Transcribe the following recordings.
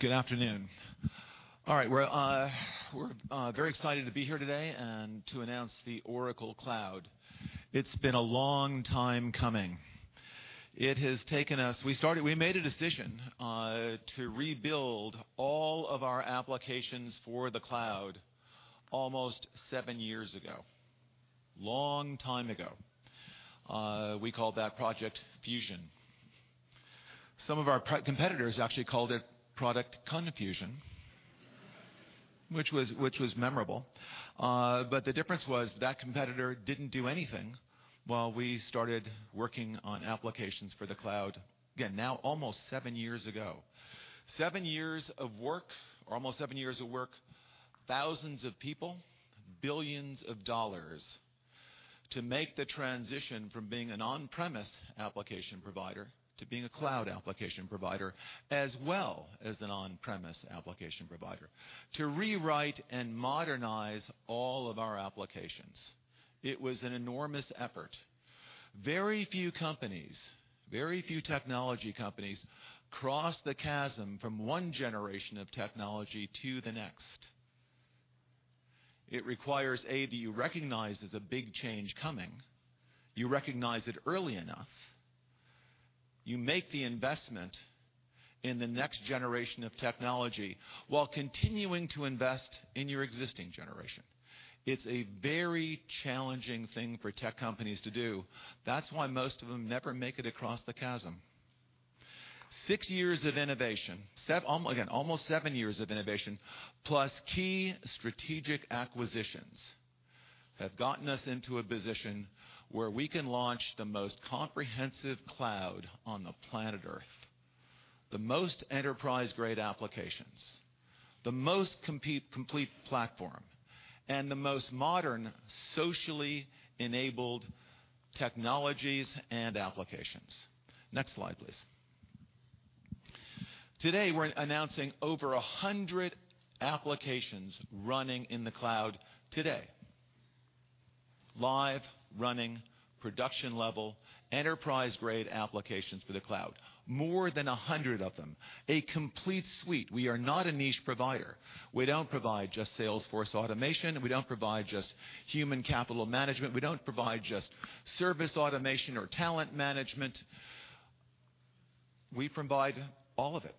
Good afternoon. All right. We're very excited to be here today and to announce the Oracle Cloud. It's been a long time coming. We made a decision to rebuild all of our applications for the cloud almost seven years ago. Long time ago. We called that Project Fusion. Some of our competitors actually called it Product Confusion which was memorable. The difference was that competitor didn't do anything while we started working on applications for the cloud, again, now almost seven years ago. Seven years of work, or almost seven years of work, thousands of people, billions of dollars to make the transition from being an on-premise application provider to being a cloud application provider, as well as an on-premise application provider. To rewrite and modernize all of our applications. It was an enormous effort. Very few companies, very few technology companies cross the chasm from one generation of technology to the next. It requires, A, that you recognize there's a big change coming. You recognize it early enough. You make the investment in the next generation of technology while continuing to invest in your existing generation. It's a very challenging thing for tech companies to do. That's why most of them never make it across the chasm. Six years of innovation. Again, almost seven years of innovation, plus key strategic acquisitions have gotten us into a position where we can launch the most comprehensive cloud on the planet Earth. The most enterprise-grade applications, the most complete platform, and the most modern, socially enabled technologies and applications. Next slide, please. Today, we're announcing over 100 applications running in the cloud today. Live, running, production level, enterprise-grade applications for the cloud. More than 100 of them. A complete suite. We are not a niche provider. We don't provide just sales force automation. We don't provide just human capital management. We don't provide just service automation or talent management. We provide all of it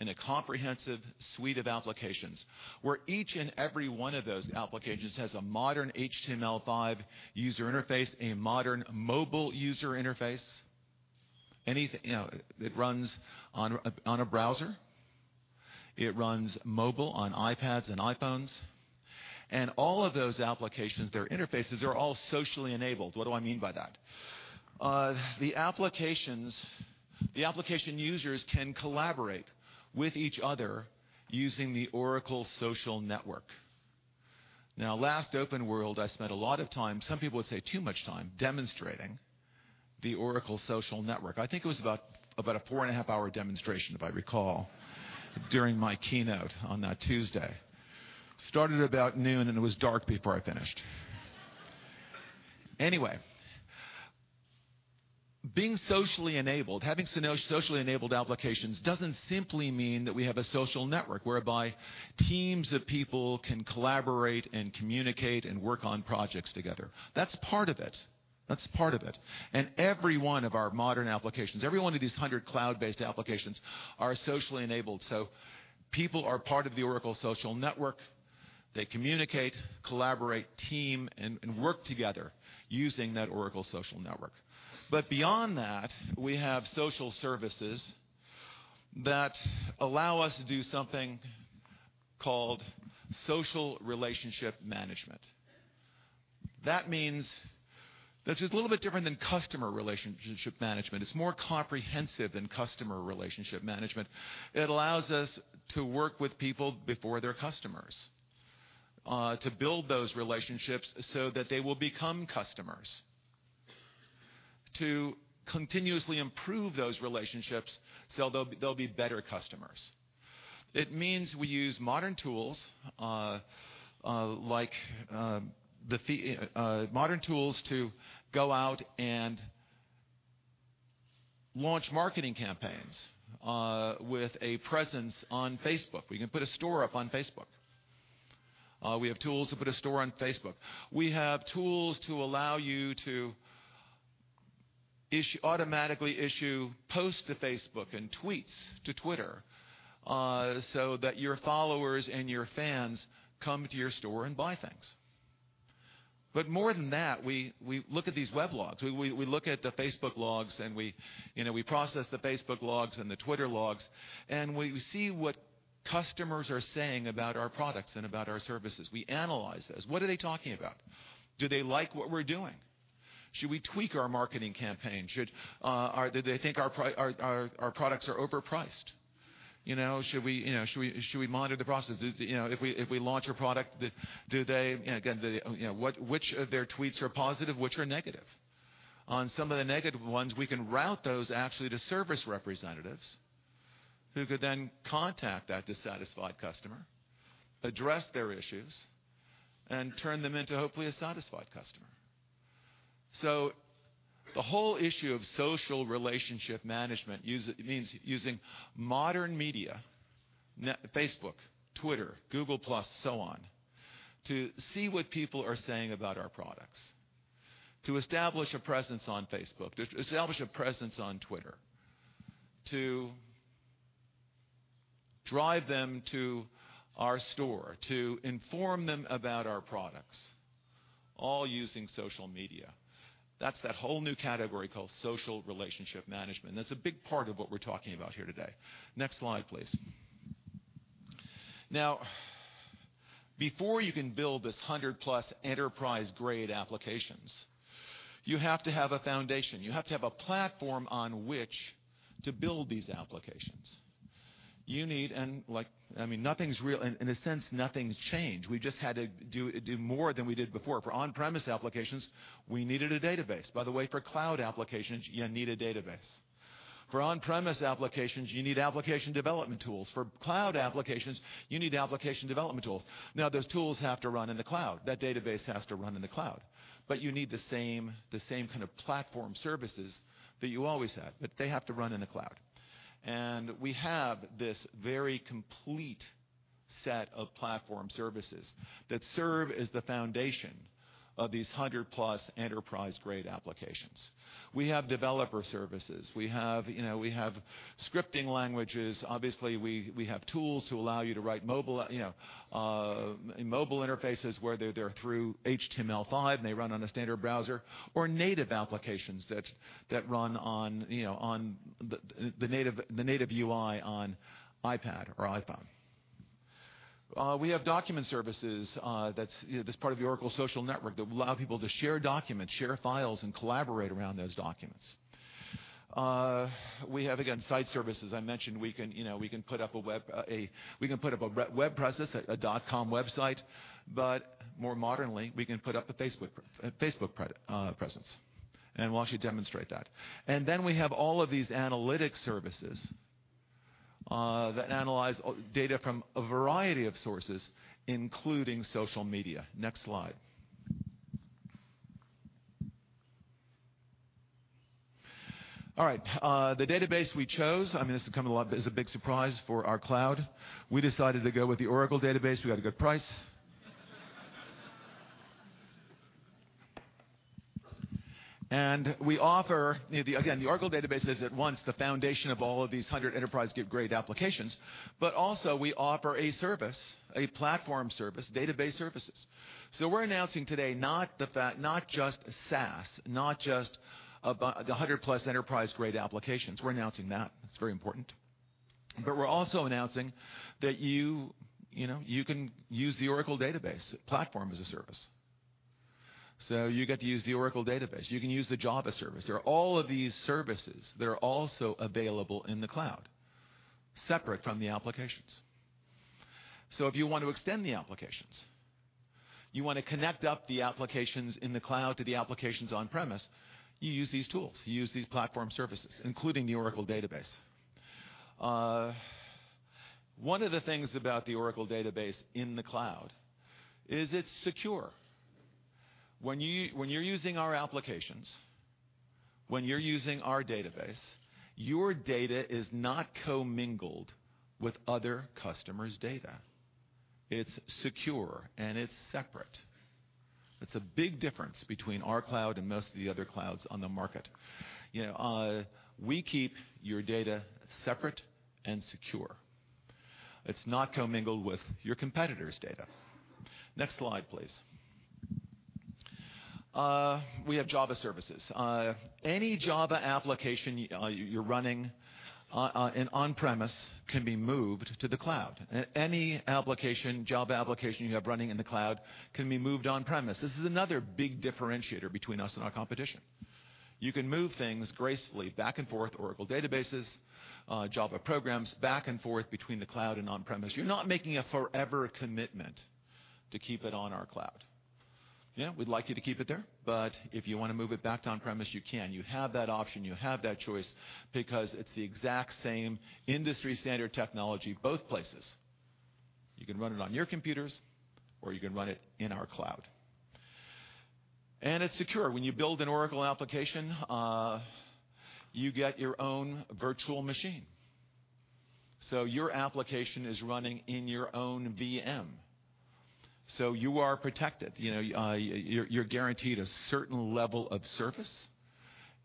in a comprehensive suite of applications where each and every one of those applications has a modern HTML5 user interface, a modern mobile user interface. It runs on a browser. It runs mobile on iPads and iPhones. All of those applications, their interfaces are all socially enabled. What do I mean by that? The application users can collaborate with each other using the Oracle Social Network. Now, last Oracle OpenWorld, I spent a lot of time, some people would say too much time, demonstrating the Oracle Social Network. I think it was about a four-and-a-half-hour demonstration if I recall during my keynote on that Tuesday. Started about noon, and it was dark before I finished. Anyway, being socially enabled, having socially enabled applications doesn't simply mean that we have a social network whereby teams of people can collaborate and communicate and work on projects together. That's part of it. Every one of our modern applications, every one of these 100 cloud-based applications are socially enabled. People are part of the Oracle Social Network. They communicate, collaborate, team, and work together using that Oracle Social Network. Beyond that, we have social services that allow us to do something called social relationship management. That's just a little bit different than customer relationship management. It's more comprehensive than customer relationship management. It allows us to work with people before they're customers, to build those relationships so that they will become customers. To continuously improve those relationships so they'll be better customers. It means we use modern tools to go out and launch marketing campaigns with a presence on Facebook. We can put a store up on Facebook. We have tools to put a store on Facebook. We have tools to allow you to automatically issue posts to Facebook and tweets to Twitter, so that your followers and your fans come to your store and buy things. More than that, we look at these weblogs. We look at the Facebook logs, and we process the Facebook logs and the Twitter logs, and we see what customers are saying about our products and about our services. We analyze those. What are they talking about? Do they like what we're doing? Should we tweak our marketing campaign? Do they think our products are overpriced? Should we monitor the process? If we launch a product, which of their tweets are positive, which are negative? On some of the negative ones, we can route those actually to service representatives who could then contact that dissatisfied customer, address their issues, and turn them into, hopefully, a satisfied customer. The whole issue of social relationship management means using modern media, Facebook, Twitter, Google+, so on, to see what people are saying about our products, to establish a presence on Facebook, to establish a presence on Twitter, to drive them to our store, to inform them about our products, all using social media. That's that whole new category called social relationship management. That's a big part of what we're talking about here today. Next slide, please. Before you can build this 100+ enterprise-grade applications, you have to have a foundation. You have to have a platform on which to build these applications. In a sense, nothing's changed. We've just had to do more than we did before. For on-premise applications, we needed a database. By the way, for cloud applications, you need a database. For on-premise applications, you need application development tools. For cloud applications, you need application development tools. Those tools have to run in the cloud. That database has to run in the cloud. You need the same kind of platform services that you always had, but they have to run in the cloud. We have this very complete set of platform services that serve as the foundation of these 100+ enterprise-grade applications. We have developer services. We have scripting languages. Obviously, we have tools to allow you to write mobile interfaces, whether they're through HTML5 and they run on a standard browser, or native applications that run on the native UI on iPad or iPhone. We have document services that's part of the Oracle Social Network that will allow people to share documents, share files, and collaborate around those documents. We have, again, site services. I mentioned we can put up a web presence, a dot-com website, but more modernly, we can put up a Facebook presence. We'll actually demonstrate that. We have all of these analytics services that analyze data from a variety of sources, including social media. Next slide. All right. The database we chose, this is a big surprise for our cloud. We decided to go with the Oracle Database. We got a good price. Again, the Oracle Database is at once the foundation of all of these 100 enterprise-grade applications. Also we offer a service, a platform service, database services. We're announcing today not just SaaS, not just the 100+ enterprise-grade applications. We're announcing that. That's very important. We're also announcing that you can use the Oracle Database platform as a service. You get to use the Oracle Database. You can use the Java service. There are all of these services that are also available in the cloud, separate from the applications. If you want to extend the applications, you want to connect up the applications in the cloud to the applications on-premise, you use these tools. You use these platform services, including the Oracle Database. One of the things about the Oracle Database in the cloud is it's secure. When you're using our applications, when you're using our database, your data is not commingled with other customers' data. It's secure and it's separate. That's a big difference between our cloud and most of the other clouds on the market. We keep your data separate and secure. It's not commingled with your competitor's data. Next slide, please. We have Java services. Any Java application you're running in on-premise can be moved to the cloud. Any application, Java application you have running in the cloud can be moved on-premise. This is another big differentiator between us and our competition. You can move things gracefully back and forth, Oracle databases, Java programs, back and forth between the cloud and on-premise. You're not making a forever commitment to keep it on our cloud. We'd like you to keep it there, but if you want to move it back to on-premise, you can. You have that option. You have that choice because it's the exact same industry-standard technology both places. You can run it on your computers, or you can run it in our cloud. It's secure. When you build an Oracle application, you get your own virtual machine. Your application is running in your own VM. You are protected. You're guaranteed a certain level of service,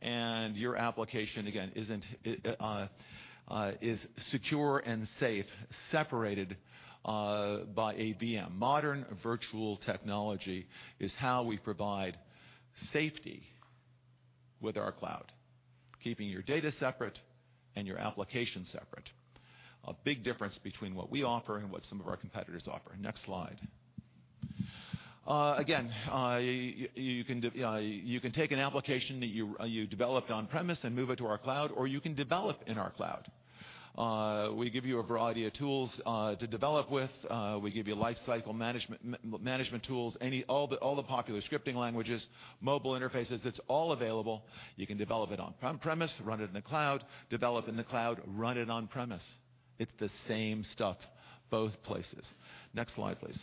and your application, again, is secure and safe, separated by a VM. Modern virtual technology is how we provide safety with our cloud, keeping your data separate and your application separate. A big difference between what we offer and what some of our competitors offer. Next slide. Again, you can take an application that you developed on-premise and move it to our cloud, or you can develop in our cloud. We give you a variety of tools to develop with. We give you lifecycle management tools, all the popular scripting languages, mobile interfaces. It's all available. You can develop it on-premise, run it in the cloud, develop in the cloud, run it on-premise. It's the same stuff both places. Next slide, please.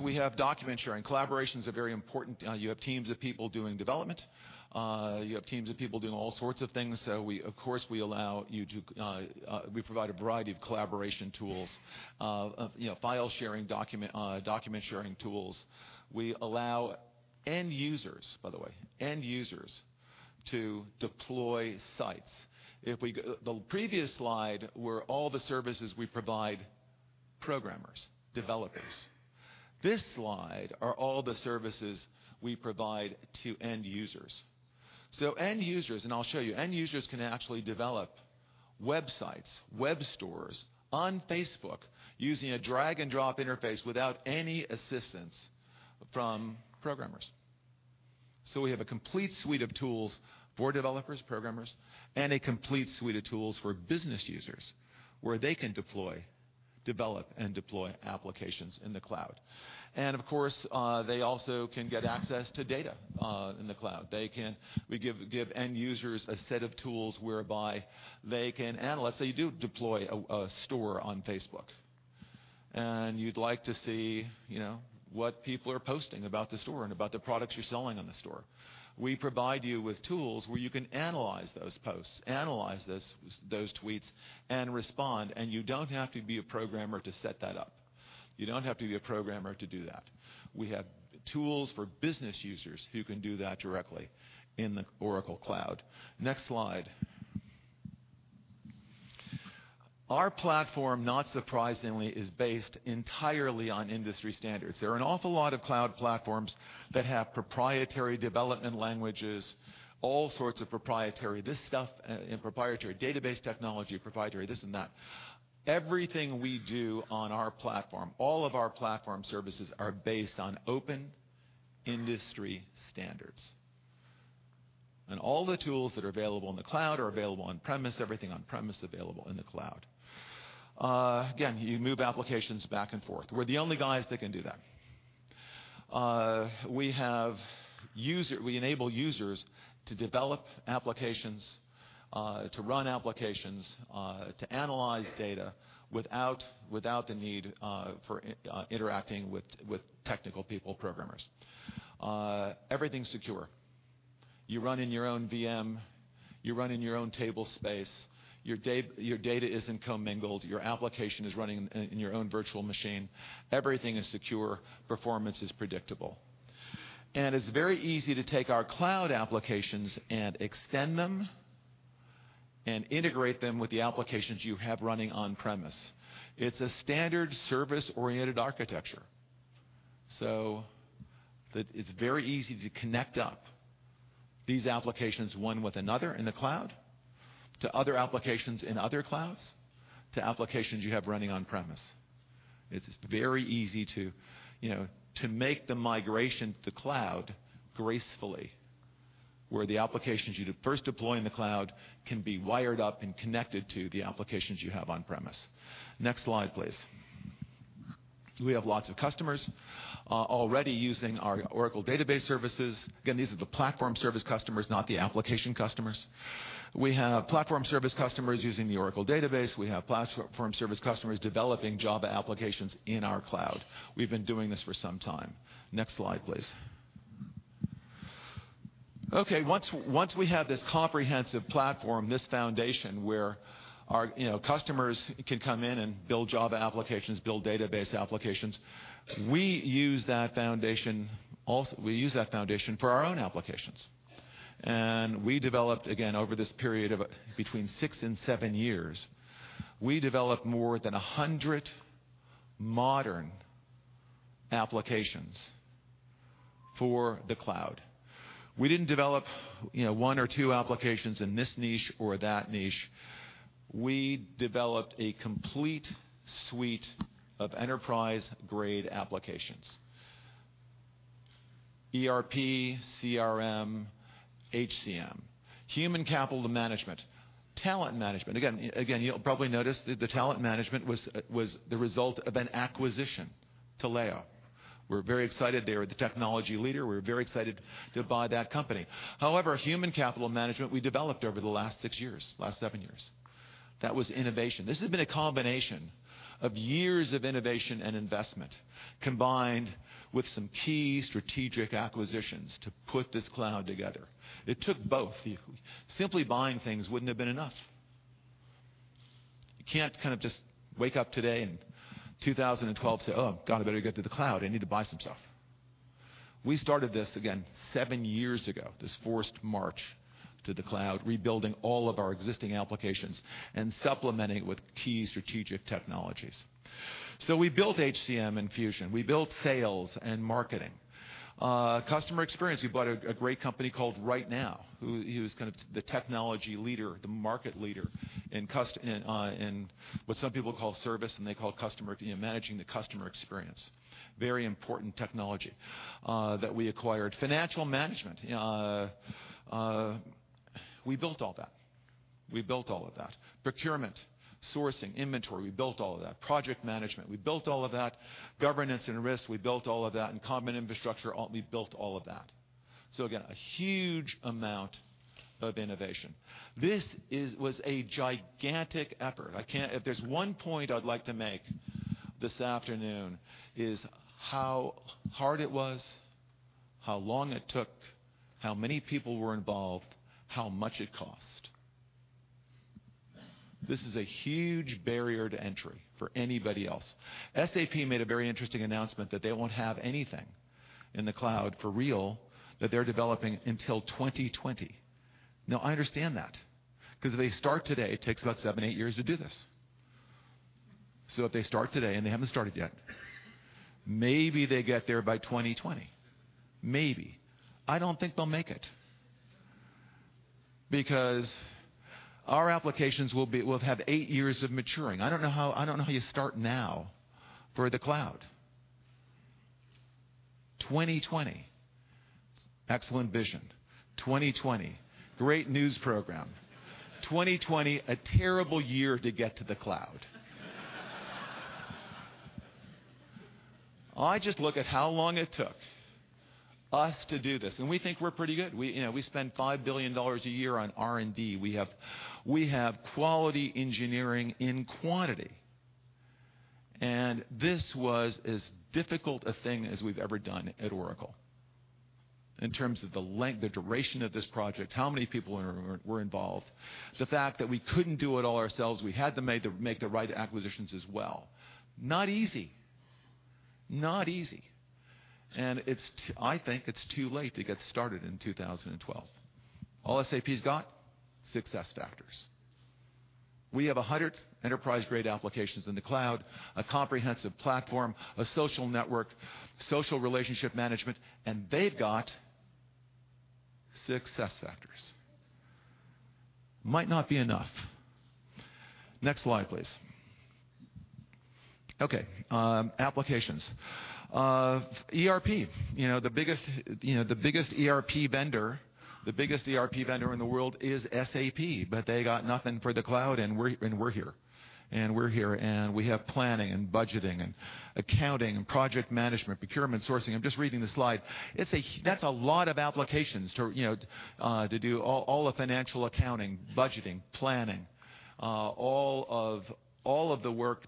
We have document sharing. Collaboration is very important. You have teams of people doing development. You have teams of people doing all sorts of things. Of course, we provide a variety of collaboration tools, file sharing, document sharing tools. We allow end users, by the way, end users to deploy sites. The previous slide were all the services we provide programmers, developers. This slide are all the services we provide to end users. End users, and I'll show you, end users can actually develop websites, web stores on Facebook using a drag and drop interface without any assistance from programmers. We have a complete suite of tools for developers, programmers, and a complete suite of tools for business users, where they can develop and deploy applications in the cloud. Of course, they also can get access to data in the cloud. We give end users a set of tools whereby they can analyze. Say you do deploy a store on Facebook, you'd like to see what people are posting about the store and about the products you're selling on the store. We provide you with tools where you can analyze those posts, analyze those tweets, and respond, and you don't have to be a programmer to set that up. You don't have to be a programmer to do that. We have tools for business users who can do that directly in the Oracle Cloud. Next slide. Our platform, not surprisingly, is based entirely on industry standards. There are an awful lot of cloud platforms that have proprietary development languages, all sorts of proprietary this stuff and proprietary database technology, proprietary this and that. Everything we do on our platform, all of our platform services are based on open industry standards. All the tools that are available in the cloud are available on-premise, everything on-premise available in the cloud. Again, you move applications back and forth. We're the only guys that can do that. We enable users to develop applications, to run applications, to analyze data without the need for interacting with technical people, programmers. Everything's secure. You run in your own VM. You run in your own table space. Your data isn't commingled. Your application is running in your own virtual machine. Everything is secure, performance is predictable. It's very easy to take our cloud applications and extend them and integrate them with the applications you have running on-premise. It's a standard service-oriented architecture. It's very easy to connect up these applications, one with another in the cloud to other applications in other clouds, to applications you have running on-premise. It's very easy to make the migration to cloud gracefully, where the applications you first deploy in the cloud can be wired up and connected to the applications you have on-premise. Next slide, please. We have lots of customers already using our Oracle Database services. Again, these are the platform service customers, not the application customers. We have platform service customers using the Oracle Database. We have platform service customers developing Java applications in our cloud. We've been doing this for some time. Next slide, please. Okay, once we have this comprehensive platform, this foundation where our customers can come in and build Java applications, build database applications, we use that foundation for our own applications. We developed, again, over this period of between six and seven years, we developed more than 100 modern applications for the cloud. We didn't develop one or two applications in this niche or that niche. We developed a complete suite of enterprise-grade applications. ERP, CRM, HCM, human capital management, talent management. Again, you'll probably notice that the talent management was the result of an acquisition, Taleo. We're very excited they were the technology leader. We're very excited to buy that company. However, human capital management, we developed over the last six years, last seven years. That was innovation. This has been a combination of years of innovation and investment, combined with some key strategic acquisitions to put this cloud together. It took both. Simply buying things wouldn't have been enough. You can't just wake up today in 2012, say, "Oh, God, I better get to the cloud. I need to buy some stuff." We started this, again, seven years ago, this forced march to the cloud, rebuilding all of our existing applications and supplementing with key strategic technologies. We built HCM and Fusion. We built sales and marketing. Customer experience, we bought a great company called RightNow, who's the technology leader, the market leader in what some people call service, and they call managing the customer experience. Very important technology that we acquired. Financial management. We built all that. We built all of that. Procurement, sourcing, inventory, we built all of that. Project management, we built all of that. Governance and risk, we built all of that. Common infrastructure, we built all of that. Again, a huge amount of innovation. This was a gigantic effort. If there's one point I'd like to make this afternoon is how hard it was, how long it took, how many people were involved, how much it cost. This is a huge barrier to entry for anybody else. SAP made a very interesting announcement that they won't have anything in the cloud for real that they're developing until 2020. I understand that because if they start today, it takes about seven, eight years to do this. If they start today, and they haven't started yet, maybe they get there by 2020. Maybe. I don't think they'll make it because our applications will have eight years of maturing. I don't know how you start now for the cloud. 2020, excellent vision. 2020, great news program. 2020, a terrible year to get to the cloud. I just look at how long it took us to do this, we think we're pretty good. We spend $5 billion a year on R&D. We have quality engineering in quantity. This was as difficult a thing as we've ever done at Oracle in terms of the length, the duration of this project, how many people were involved, the fact that we couldn't do it all ourselves. We had to make the right acquisitions as well. Not easy. Not easy. I think it's too late to get started in 2012. All SAP's got, SuccessFactors. We have 100 enterprise-grade applications in the cloud, a comprehensive platform, a Social Network, social relationship management, they've got SuccessFactors. Might not be enough. Next slide, please. Okay. Applications. ERP. The biggest ERP vendor in the world is SAP, they got nothing for the cloud, we're here. We're here, and we have planning and budgeting and accounting and project management, procurement, sourcing. I'm just reading the slide. That's a lot of applications to do all the financial accounting, budgeting, planning. All of the work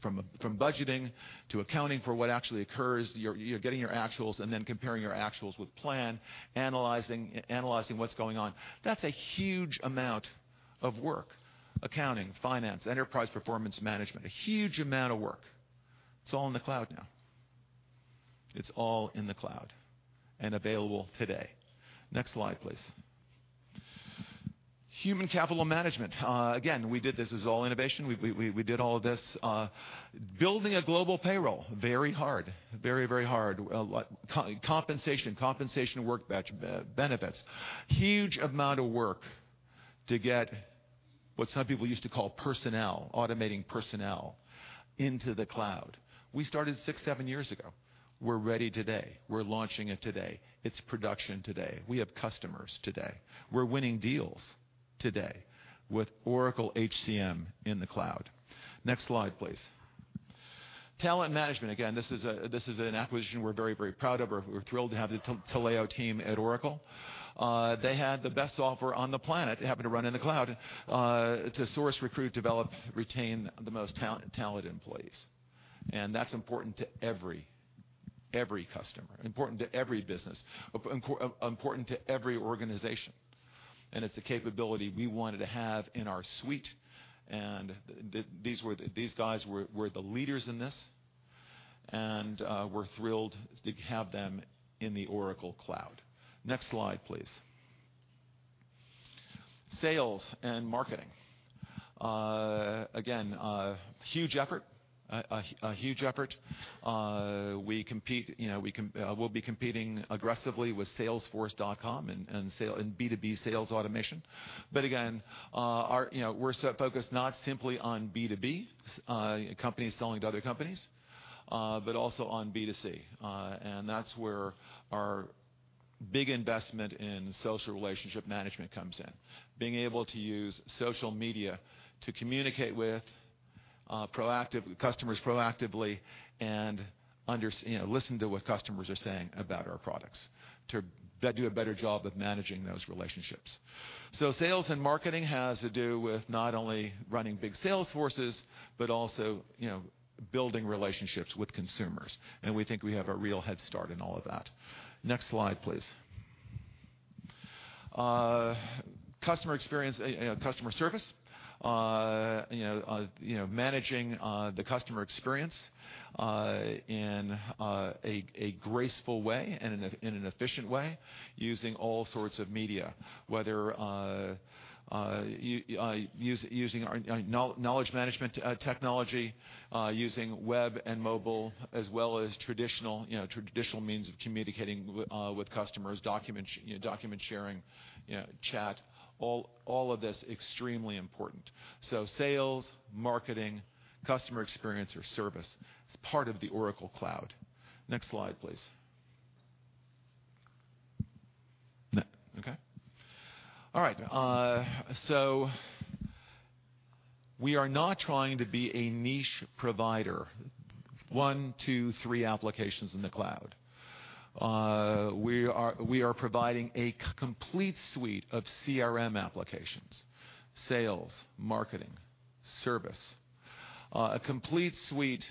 from budgeting to accounting for what actually occurs. You're getting your actuals, comparing your actuals with plan, analyzing what's going on. That's a huge amount of work. Accounting, finance, enterprise performance management. A huge amount of work. It's all in the cloud now. It's all in the cloud, available today. Next slide, please. Human capital management. Again, we did this as all innovation. We did all of this. Building a global payroll, very hard. Very hard. Compensation, workforce, benefits. Huge amount of work to get what some people used to call personnel, automating personnel into the cloud. We started six, seven years ago. We're ready today. We're launching it today. It's production today. We have customers today. We're winning deals today with Oracle HCM in the cloud. Next slide, please. Talent management, again, this is an acquisition we're very proud of. We're thrilled to have the Taleo team at Oracle. They had the best software on the planet, happened to run in the cloud, to source, recruit, develop, retain the most talented employees. It's important to every customer, important to every business, important to every organization. It's a capability we wanted to have in our suite, and these guys were the leaders in this, and we're thrilled to have them in the Oracle Cloud. Next slide, please. Sales and marketing. Again, a huge effort. We'll be competing aggressively with Salesforce.com and B2B sales automation. Again, we're focused not simply on B2B, companies selling to other companies, but also on B2C. That's where our big investment in social relationship management comes in. Being able to use social media to communicate with customers proactively and listen to what customers are saying about our products to do a better job of managing those relationships. Sales and marketing has to do with not only running big sales forces but also building relationships with consumers. We think we have a real head start in all of that. Next slide, please. Customer service. Managing the customer experience in a graceful way and in an efficient way using all sorts of media, whether using knowledge management technology, using web and mobile as well as traditional means of communicating with customers, document sharing, chat, all of this extremely important. Sales, marketing, customer experience or service is part of the Oracle Cloud. Next slide, please. No. Okay. All right. We are not trying to be a niche provider, one, two, three applications in the cloud. We are providing a complete suite of CRM applications, sales, marketing, service, a complete suite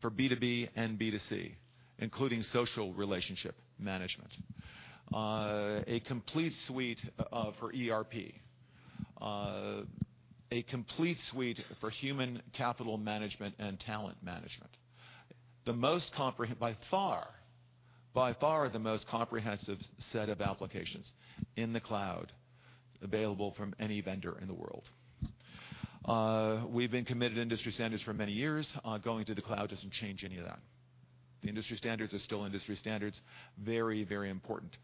for B2B and B2C, including social relationship management, a complete suite for ERP, a complete suite for human capital management and talent management. By far, the most comprehensive set of applications in the cloud available from any vendor in the world. We've been committed to industry standards for many years. Going to the cloud doesn't change any of that. The industry standards are still industry standards, very, very important.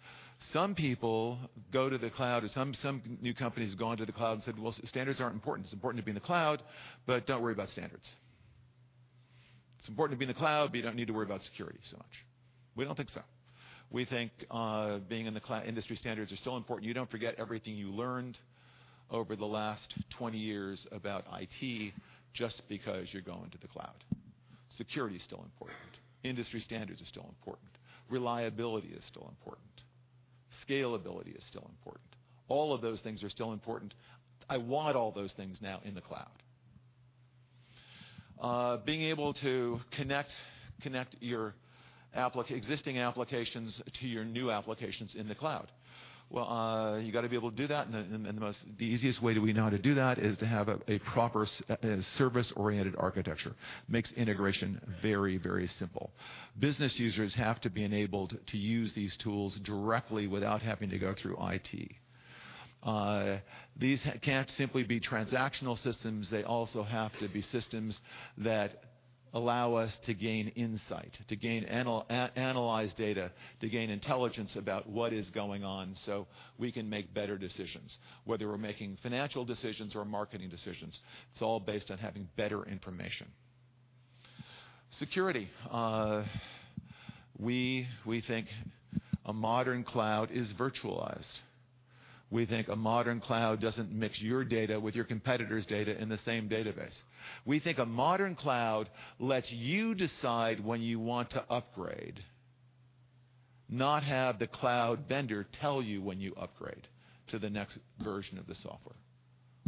Some people go to the cloud, or some new companies have gone to the cloud and said, "Well, standards aren't important. It's important to be in the cloud, but don't worry about standards. It's important to be in the cloud, but you don't need to worry about security so much." We don't think so. We think being in the cloud, industry standards are still important. You don't forget everything you learned over the last 20 years about IT just because you're going to the cloud. Security's still important. Industry standards are still important. Reliability is still important. Scalability is still important. All of those things are still important. I want all those things now in the cloud. Being able to connect your existing applications to your new applications in the cloud. You got to be able to do that, the easiest way that we know how to do that is to have a proper service-oriented architecture. Makes integration very, very simple. Business users have to be enabled to use these tools directly without having to go through IT. These can't simply be transactional systems. They also have to be systems that allow us to gain insight, to gain analyze data, to gain intelligence about what is going on so we can make better decisions. Whether we're making financial decisions or marketing decisions, it's all based on having better information. Security. We think a modern cloud is virtualized. We think a modern cloud doesn't mix your data with your competitor's data in the same database. We think a modern cloud lets you decide when you want to upgrade, not have the cloud vendor tell you when you upgrade to the next version of the software.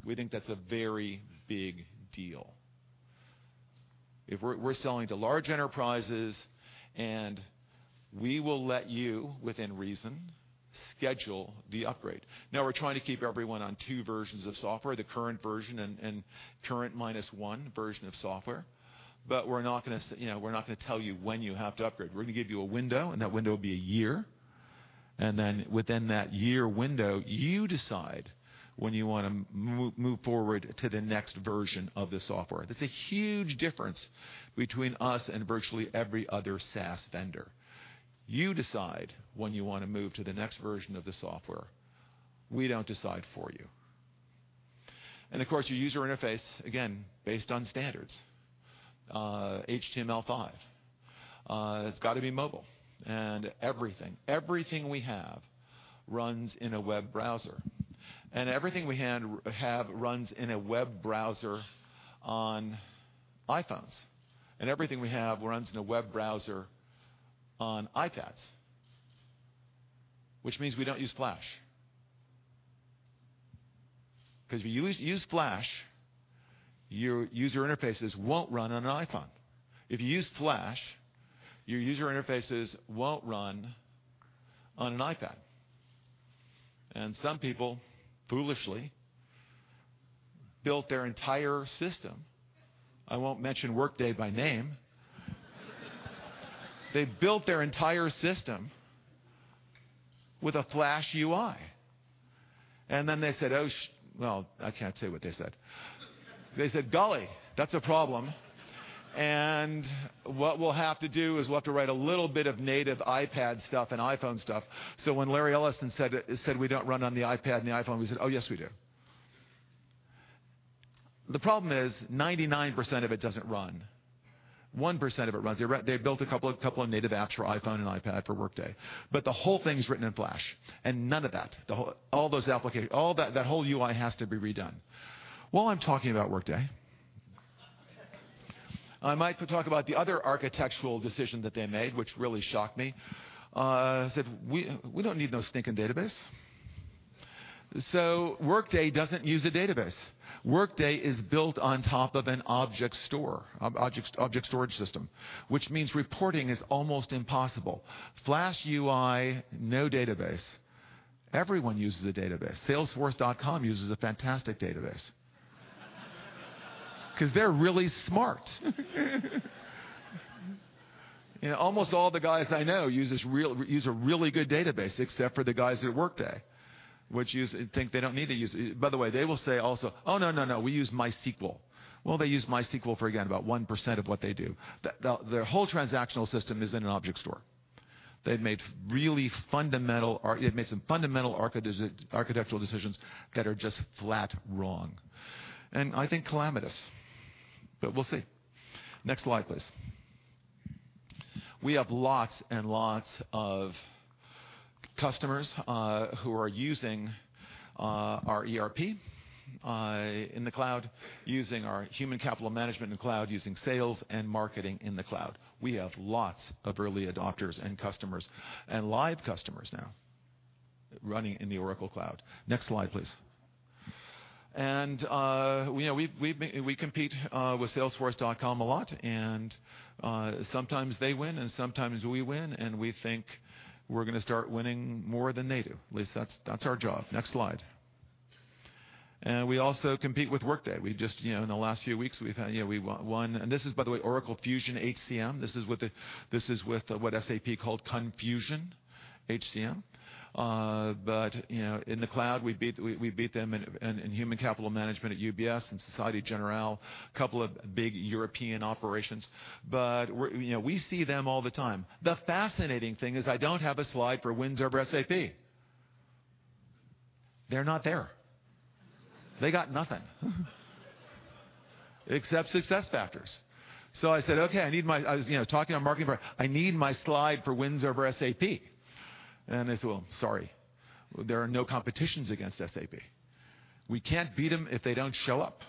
We think that's a very big deal. We will let you, within reason, schedule the upgrade. We're trying to keep everyone on two versions of software, the current version and current minus one version of software. We're not going to tell you when you have to upgrade. We're going to give you a window. That window will be a year. Within that year window, you decide when you want to move forward to the next version of the software. That's a huge difference between us and virtually every other SaaS vendor. You decide when you want to move to the next version of the software. We don't decide for you. Of course, your user interface, again, based on standards. HTML5. It's got to be mobile and everything. Everything we have runs in a web browser. Everything we have runs in a web browser on iPhones. Everything we have runs in a web browser on iPads, which means we don't use Flash. If you use Flash, your user interfaces won't run on an iPhone. If you use Flash, your user interfaces won't run on an iPad. Some people foolishly built their entire system. I won't mention Workday by name. They built their entire system with a Flash UI. They said, "Oh sh--" Well, I can't say what they said. They said, "Golly, that's a problem. What we'll have to do is we'll have to write a little bit of native iPad stuff and iPhone stuff." When Larry Ellison said we don't run on the iPad and the iPhone, we said, "Oh, yes, we do." The problem is 99% of it doesn't run, 1% of it runs. They built a couple of native apps for iPhone and iPad for Workday. The whole thing's written in Flash. None of that, all those applications, that whole UI has to be redone. While I'm talking about Workday, I might talk about the other architectural decision that they made, which really shocked me. They said, "We don't need no stinking database." Workday doesn't use a database. Workday is built on top of an object store, object storage system, which means reporting is almost impossible. Flash UI, no database. Everyone uses a database. Salesforce.com uses a fantastic database. They're really smart. Almost all the guys I know use a really good database except for the guys at Workday, which you think they don't need to use. They will say also, "Oh, no, no, we use MySQL." Well, they use MySQL for, again, about 1% of what they do. Their whole transactional system is in an object store. They've made some fundamental architectural decisions that are just flat wrong, and I think calamitous, but we'll see. Next slide, please. We have lots and lots of customers who are using our ERP in the cloud, using our human capital management in the cloud, using sales and marketing in the cloud. We have lots of early adopters and customers, and live customers now, running in the Oracle Cloud. Next slide, please. We compete with Salesforce.com a lot, and sometimes they win, and sometimes we win, and we think we're going to start winning more than they do. At least that's our job. Next slide. We also compete with Workday. In the last few weeks, we've won. This is, by the way, Oracle Fusion HCM. This is with what SAP called Product Confusion HCM. We beat them in human capital management at UBS and Société Générale, a couple of big European operations. We see them all the time. The fascinating thing is I don't have a slide for wins over SAP. They're not there. They got nothing. Except SuccessFactors. I said, "Okay, I was talking to our marketing department. I need my slide for wins over SAP." They said, "Well, sorry. There are no competitions against SAP. We can't beat them if they don't show up."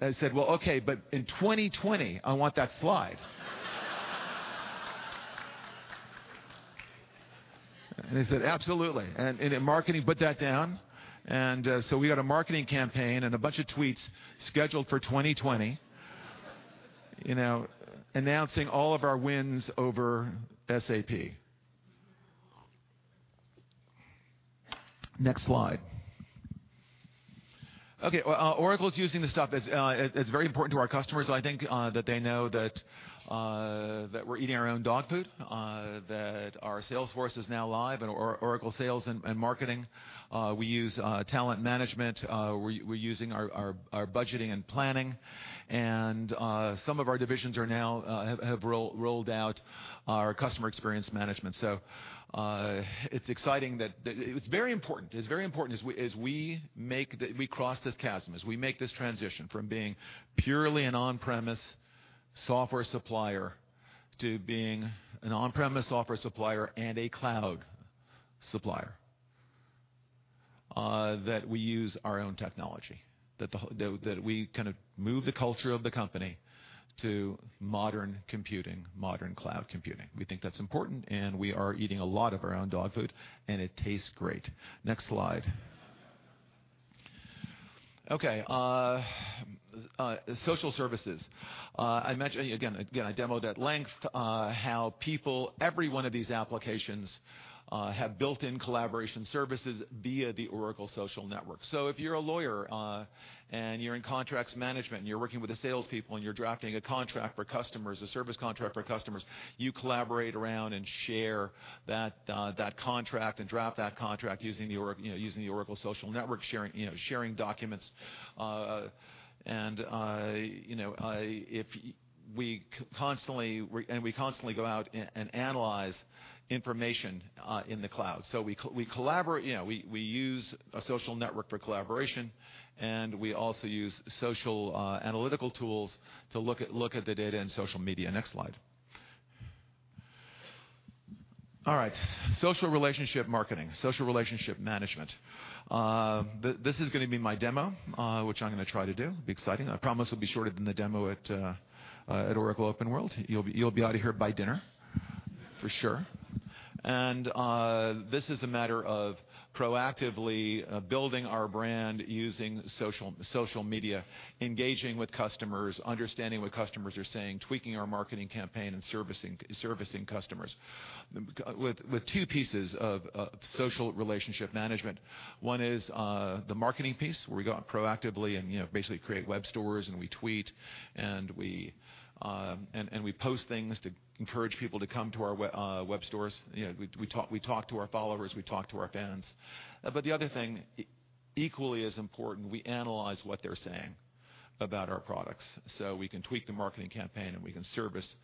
I said, "Well, okay, but in 2020, I want that slide." They said, "Absolutely." Marketing put that down. We've got a marketing campaign and a bunch of tweets scheduled for 2020 announcing all of our wins over SAP. Next slide. Okay. Oracle is using this stuff. It's very important to our customers. I think that they know that we're eating our own dog food, that our sales force is now live in Oracle sales and marketing. We use talent management. We're using our budgeting and planning. Some of our divisions have now rolled out our customer experience management. It's exciting that it's very important as we cross this chasm, as we make this transition from being purely an on-premise software supplier to being an on-premise software supplier and a cloud supplier, that we use our own technology, that we move the culture of the company to modern computing, modern cloud computing. We think that's important, we are eating a lot of our own dog food, it tastes great. Next slide. Okay. Social services. Again, I demoed at length how people, every one of these applications, have built-in collaboration services via the Oracle Social Network. If you're a lawyer, and you're in contracts management, and you're working with the salespeople, and you're drafting a contract for customers, a service contract for customers, you collaborate around and share that contract and draft that contract using the Oracle Social Network, sharing documents. We constantly go out and analyze information in the cloud. We use a social network for collaboration, and we also use social analytical tools to look at the data in social media. Next slide. All right. Social relationship marketing. Social relationship management. This is going to be my demo, which I am going to try to do. It will be exciting. I promise it will be shorter than the demo at Oracle OpenWorld. You will be out of here by dinner for sure. This is a matter of proactively building our brand using social media, engaging with customers, understanding what customers are saying, tweaking our marketing campaign, and servicing customers with two pieces of social relationship management. One is the marketing piece, where we go out proactively and basically create web stores, and we tweet, and we post things to encourage people to come to our web stores. We talk to our followers. We talk to our fans. The other thing, equally as important, we analyze what they're saying about our products so we can tweak the marketing campaign, and we can service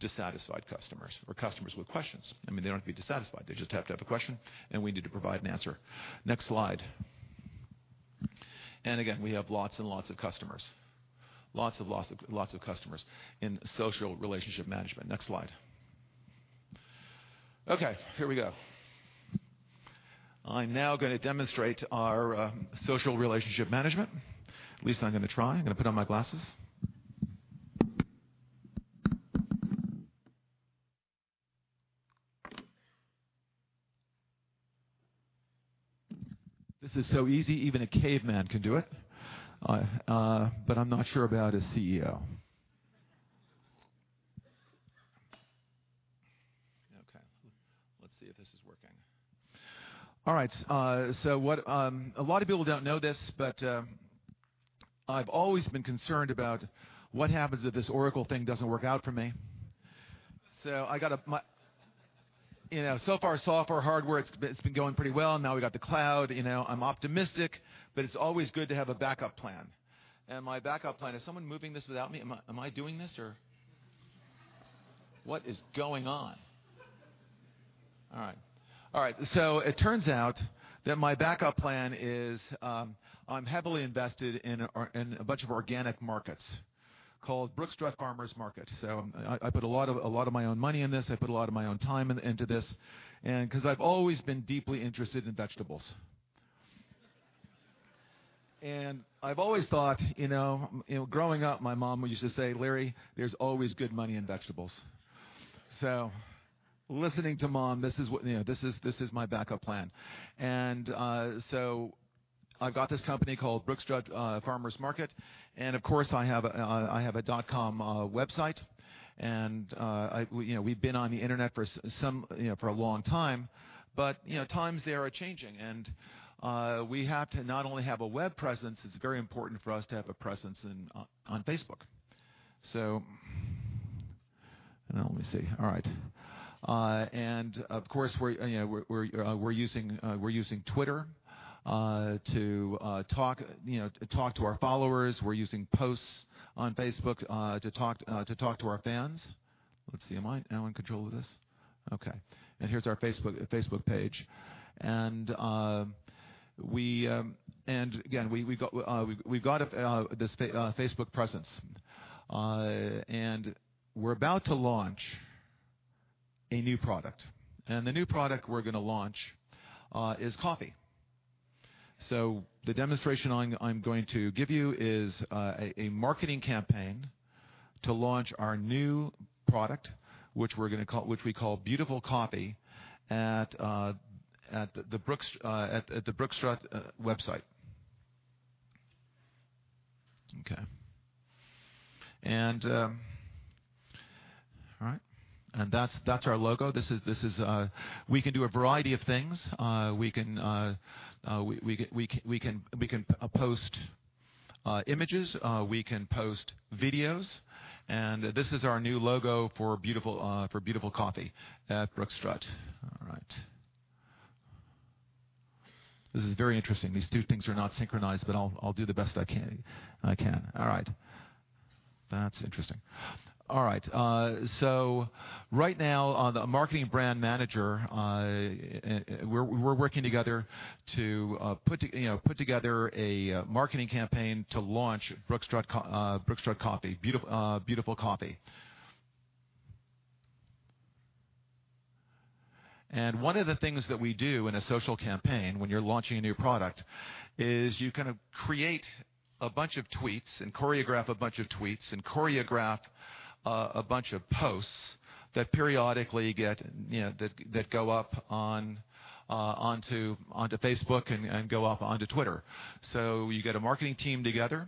dissatisfied customers or customers with questions. They don't have to be dissatisfied. They just have to have a question, and we need to provide an answer. Next slide. Again, we have lots and lots of customers. Lots of customers in social relationship management. Next slide. Okay, here we go. I'm now going to demonstrate our social relationship management. At least I'm going to try. I'm going to put on my glasses. This is so easy, even a caveman can do it. But I'm not sure about a CEO. Okay. Let's see if this is working. All right. A lot of people don't know this, but I've always been concerned about what happens if this Oracle thing doesn't work out for me. So far, software, hardware, it's been going pretty well. Now we've got the cloud. I'm optimistic, but it's always good to have a backup plan. My backup plan. Is someone moving this without me? Am I doing this or? What is going on? All right. It turns out that my backup plan is, I'm heavily invested in a bunch of organic markets called Brookstrut Farmers Market. I put a lot of my own money in this, I put a lot of my own time into this, because I've always been deeply interested in vegetables. I've always thought, growing up, my mom would used to say, "Larry, there's always good money in vegetables." Listening to mom, this is my backup plan. I've got this company called Brookstrut Farmers Market, and of course, I have a dot-com website. We've been on the internet for a long time, but times there are changing, and we have to not only have a web presence, it's very important for us to have a presence on Facebook. Now let me see. All right. Of course, we're using Twitter to talk to our followers. We're using posts on Facebook to talk to our fans. Let's see. Am I now in control of this? Okay. Here's our Facebook page. Again, we've got this Facebook presence. We're about to launch a new product, and the new product we're going to launch is coffee. So the demonstration I'm going to give you is a marketing campaign to launch our new product, which we call Beautiful Coffee at the Brookstrut website. Okay. That's our logo. We can do a variety of things. We can post images, we can post videos. This is our new logo for Beautiful Coffee at Brookstrut. This is very interesting. These two things are not synchronized, but I'll do the best I can. Right now, the marketing brand manager, we're working together to put together a marketing campaign to launch Brookstrut Coffee, Beautiful Coffee. One of the things that we do in a social campaign when you're launching a new product is you kind of create a bunch of tweets and choreograph a bunch of tweets, and choreograph a bunch of posts that periodically go up onto Facebook and go up onto Twitter. You get a marketing team together,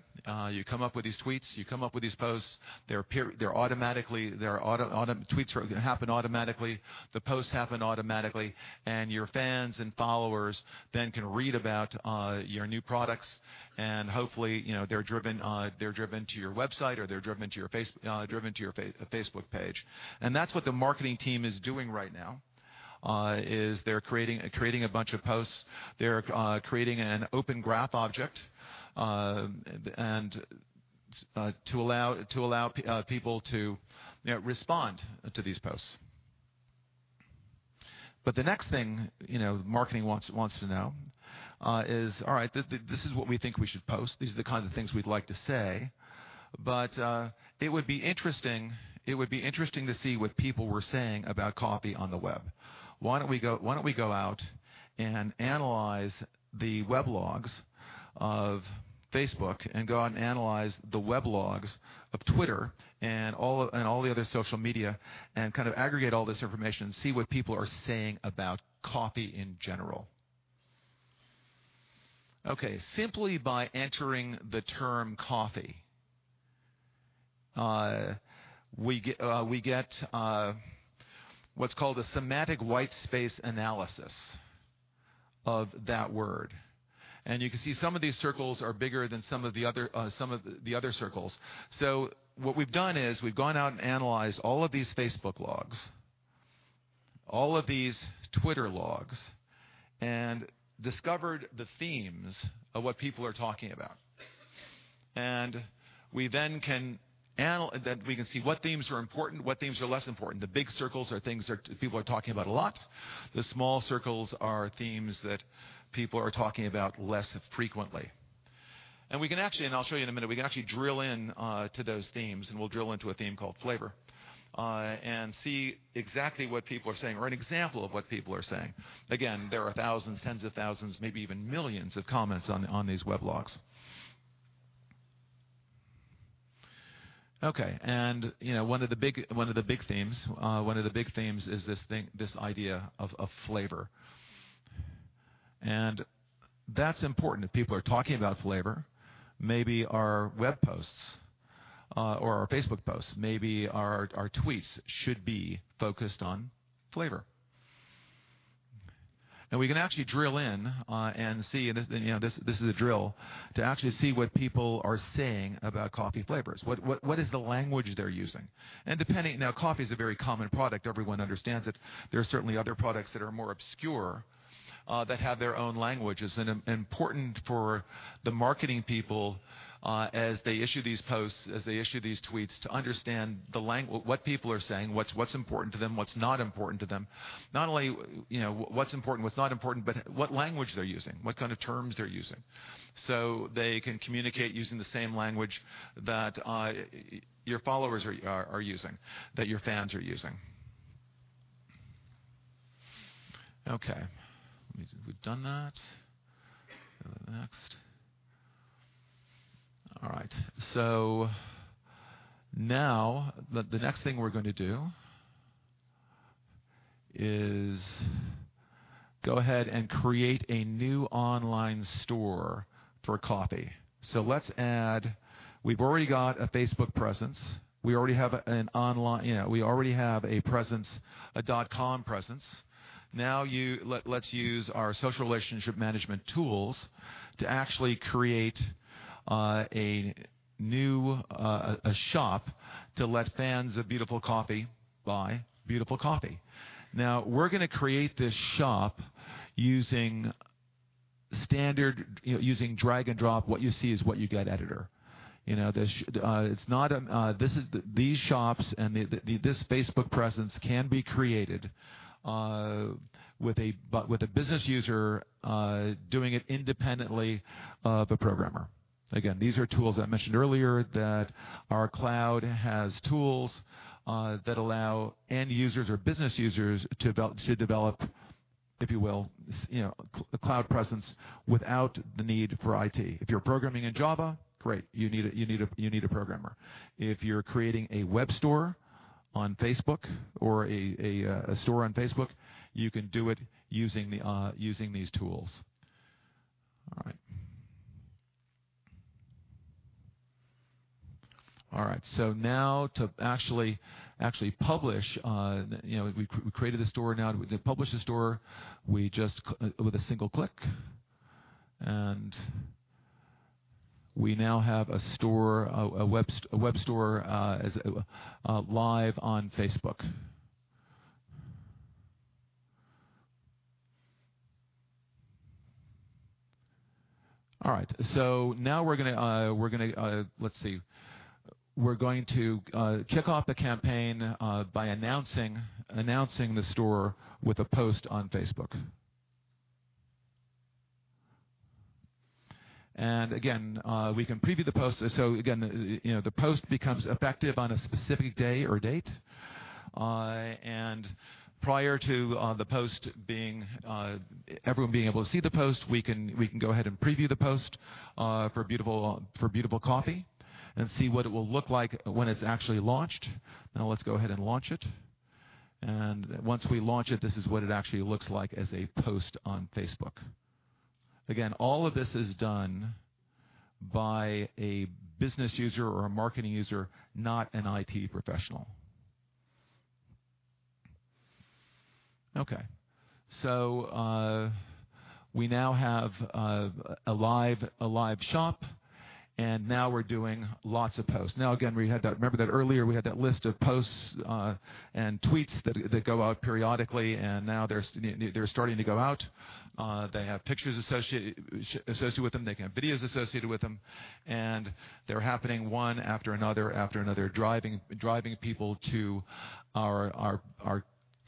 you come up with these tweets, you come up with these posts. The tweets happen automatically. The posts happen automatically. Your fans and followers then can read about your new products, and hopefully, they're driven to your website, or they're driven to your Facebook page. That's what the marketing team is doing right now, is they're creating a bunch of posts. They're creating an Open Graph object to allow people to respond to these posts. The next thing marketing wants to know is, all right, this is what we think we should post. These are the kinds of things we'd like to say, but it would be interesting to see what people were saying about coffee on the web. Why don't we go out and analyze the web logs of Facebook and go out and analyze the web logs of Twitter, and all the other social media, and kind of aggregate all this information and see what people are saying about coffee in general? Okay. Simply by entering the term coffee, we get what's called a semantic white space analysis of that word. You can see some of these circles are bigger than some of the other circles. What we've done is, we've gone out and analyzed all of these Facebook logs, all of these Twitter logs, and discovered the themes of what people are talking about. Then we can see what themes are important, what themes are less important. The big circles are things that people are talking about a lot. The small circles are themes that people are talking about less frequently. We can actually, and I'll show you in a minute, we can actually drill in to those themes, and we'll drill into a theme called flavor, and see exactly what people are saying, or an example of what people are saying. Again, there are thousands, tens of thousands, maybe even millions of comments on these web logs. One of the big themes is this idea of flavor. That's important. If people are talking about flavor, maybe our web posts, or our Facebook posts, maybe our tweets should be focused on flavor. We can actually drill in and see, this is a drill, to actually see what people are saying about coffee flavors. What is the language they're using? Coffee is a very common product. Everyone understands it. There are certainly other products that are more obscure, that have their own languages. Important for the marketing people, as they issue these posts, as they issue these tweets, to understand what people are saying, what's important to them, what's not important to them. Not only what's important, what's not important, but what language they're using, what kind of terms they're using, so they can communicate using the same language that your followers are using, that your fans are using. Okay. We've done that. Go to next. All right. Now, the next thing we're going to do is go ahead and create a new online store for coffee. We've already got a Facebook presence. We already have a dot-com presence. Now, let's use our social relationship management tools to actually create a shop to let fans of Beautiful Coffee buy Beautiful Coffee. Now, we're going to create this shop using drag and drop, what you see is what you get editor. These shops and this Facebook presence can be created with a business user doing it independently of a programmer. Again, these are tools that I mentioned earlier, that our cloud has tools that allow end users or business users to develop, if you will, a cloud presence without the need for IT. If you're programming in Java, great. You need a programmer. If you're creating a web store on Facebook, you can do it using these tools. All right. All right. Now to actually publish, we created the store. Now to publish the store, with a single click, and we now have a web store live on Facebook. All right. Now let's see. We're going to kick off the campaign by announcing the store with a post on Facebook. Again, we can preview the post. Again, the post becomes effective on a specific day or date. Prior to everyone being able to see the post, we can go ahead and preview the post for Beautiful Coffee and see what it will look like when it's actually launched. Now let's go ahead and launch it. Once we launch it, this is what it actually looks like as a post on Facebook. Again, all of this is done by a business user or a marketing user, not an IT professional. Okay. We now have a live shop, and now we're doing lots of posts. Now, again, remember that earlier we had that list of posts and tweets that go out periodically, and now they're starting to go out. They have pictures associated with them. They can have videos associated with them, and they're happening one after another, after another, driving people to our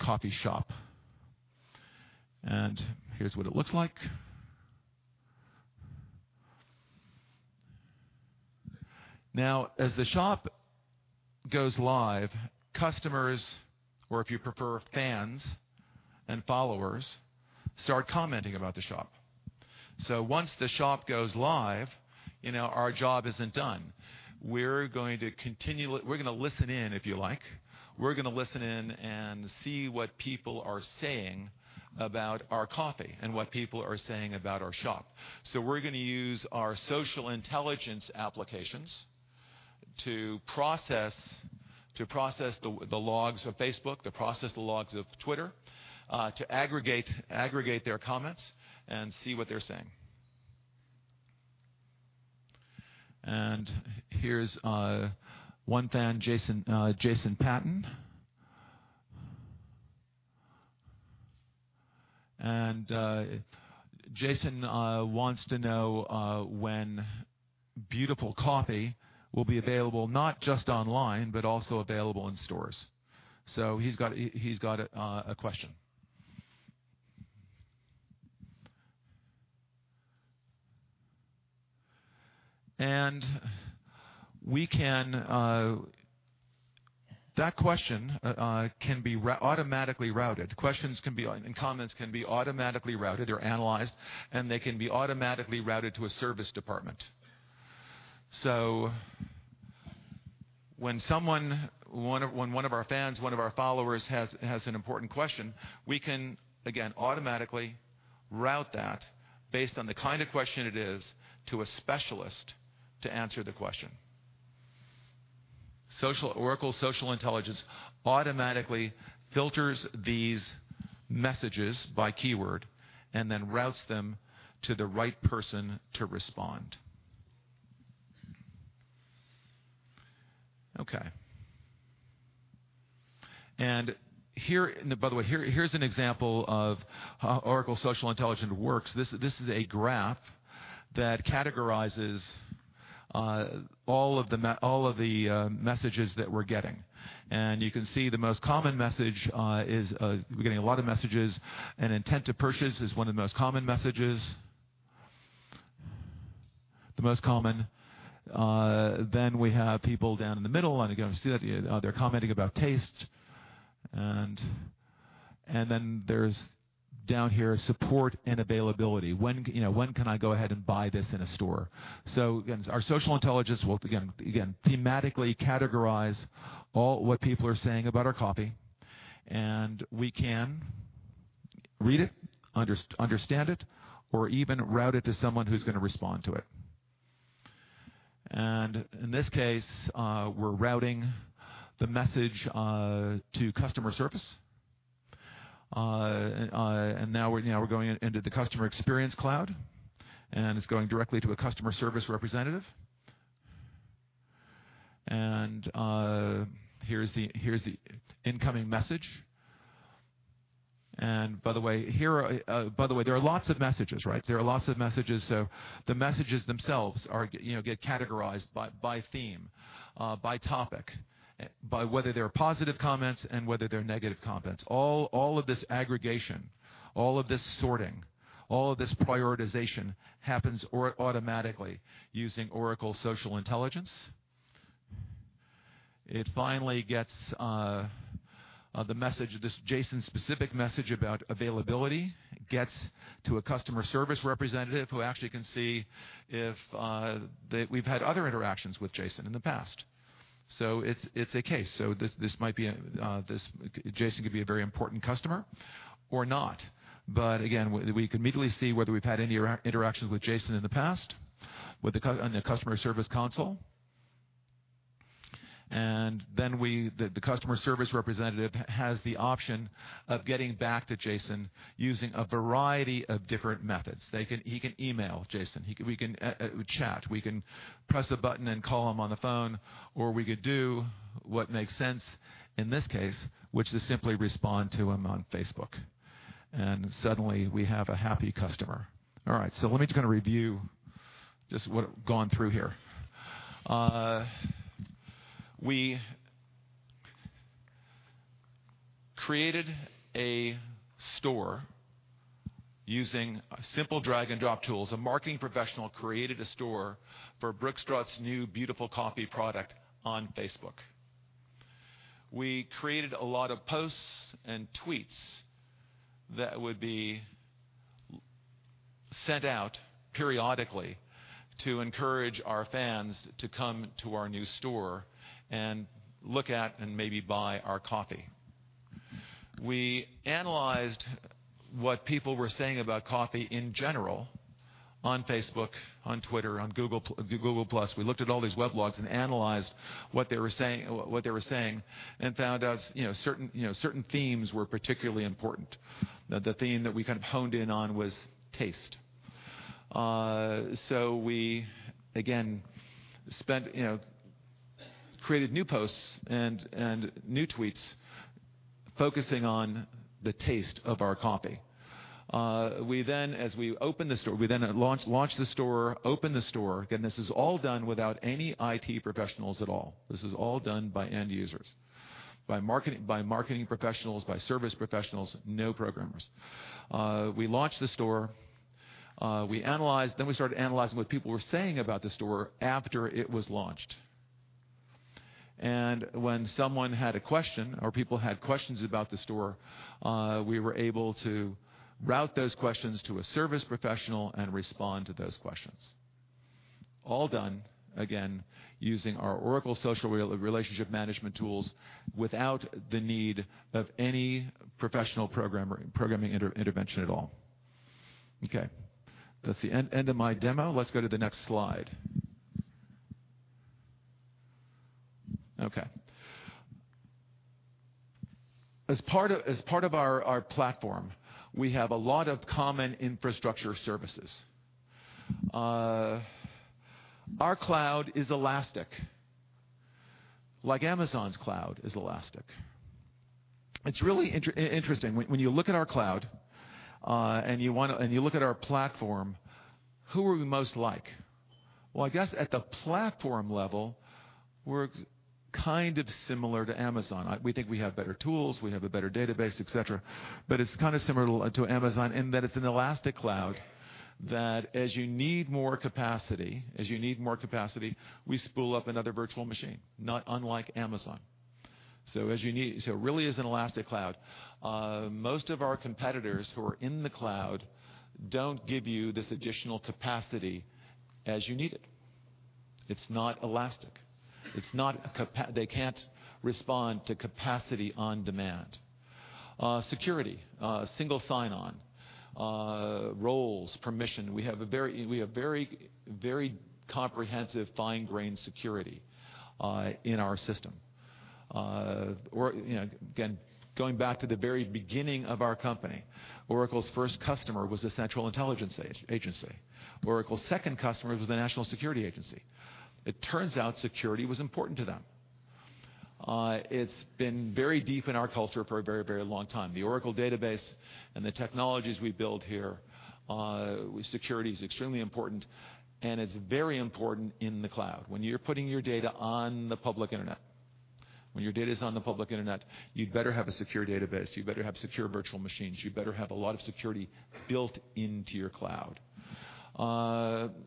coffee shop. Here's what it looks like. Now, as the shop goes live, customers, or if you prefer, fans and followers, start commenting about the shop. Once the shop goes live, our job isn't done. We're going to listen in, if you like. We're going to listen in and see what people are saying about our coffee and what people are saying about our shop. We're going to use our social intelligence applications to process the logs of Facebook, to process the logs of Twitter, to aggregate their comments and see what they're saying. Here's one fan, Jason Patton. Jason wants to know when Beautiful Coffee will be available, not just online, but also available in stores. He's got a question. That question can be automatically routed. Questions can be, and comments can be automatically routed. They're analyzed, and they can be automatically routed to a service department. When one of our fans, one of our followers, has an important question, we can, again, automatically route that based on the kind of question it is to a specialist to answer the question. Oracle Social Intelligence automatically filters these messages by keyword and then routes them to the right person to respond. Okay. By the way, here's an example of how Oracle Social Intelligence works. This is a graph that categorizes all of the messages that we're getting. You can see the most common message is, we're getting a lot of messages, and intent to purchase is one of the most common messages. The most common. We have people down in the middle, and again, you see that they're commenting about taste. There's down here, support and availability. When can I go ahead and buy this in a store? Again, our social intelligence will, again, thematically categorize all what people are saying about our coffee, we can read it, understand it, or even route it to someone who's going to respond to it. In this case, we're routing the message to customer service. Now we're going into the Customer Experience Cloud, and it's going directly to a customer service representative. Here's the incoming message. By the way, there are lots of messages, right? There are lots of messages, the messages themselves get categorized by theme, by topic, by whether they're positive comments and whether they're negative comments. All of this aggregation, all of this sorting, all of this prioritization happens automatically using Oracle Social Intelligence. It finally gets the message, this Jason specific message about availability, gets to a customer service representative who actually can see if we've had other interactions with Jason in the past. It's a case. Jason could be a very important customer or not. Again, we can immediately see whether we've had any interactions with Jason in the past on the customer service console. The customer service representative has the option of getting back to Jason using a variety of different methods. He can email Jason. We can chat. We can press a button and call him on the phone, or we could do what makes sense in this case, which is simply respond to him on Facebook. Suddenly we have a happy customer. All right. Let me just review just what I've gone through here. We created a store using simple drag-and-drop tools. A marketing professional created a store for Brookstraat's new Beautiful Coffee product on Facebook. We created a lot of posts and tweets that would be sent out periodically to encourage our fans to come to our new store and look at and maybe buy our coffee. We analyzed what people were saying about coffee in general on Facebook, on Twitter, on Google+. We looked at all these weblogs and analyzed what they were saying and found out certain themes were particularly important. The theme that we kind of honed in on was taste. We, again, created new posts and new tweets focusing on the taste of our coffee. We launched the store, opened the store. Again, this is all done without any IT professionals at all. This is all done by end users, by marketing professionals, by service professionals, no programmers. We launched the store. We started analyzing what people were saying about the store after it was launched. When someone had a question or people had questions about the store, we were able to route those questions to a service professional and respond to those questions. All done, again, using our Oracle social relationship management tools without the need of any professional programming intervention at all. That's the end of my demo. Let's go to the next slide. As part of our platform, we have a lot of common infrastructure services. Our Cloud is elastic, like Amazon's Cloud is elastic. It's really interesting. When you look at our Cloud, and you look at our platform, who are we most like? I guess at the platform level, we're kind of similar to Amazon. We think we have better tools, we have a better database, et cetera, it's kind of similar to Amazon in that it's an elastic Cloud that as you need more capacity, we spool up another virtual machine, not unlike Amazon. It really is an elastic Cloud. Most of our competitors who are in the Cloud don't give you this additional capacity as you need it. It's not elastic. They can't respond to capacity on demand. Security. Single sign-on. Roles, permission. We have very comprehensive fine-grain security in our system. Again, going back to the very beginning of our company, Oracle's first customer was the Central Intelligence Agency. Oracle's second customer was the National Security Agency. It turns out security was important to them. It's been very deep in our culture for a very long time. The Oracle Database and the technologies we build here, security is extremely important, and it's very important in the Cloud. When you're putting your data on the public Internet, when your data is on the public Internet, you'd better have a secure database. You better have secure virtual machines. You better have a lot of security built into your Cloud. Caching.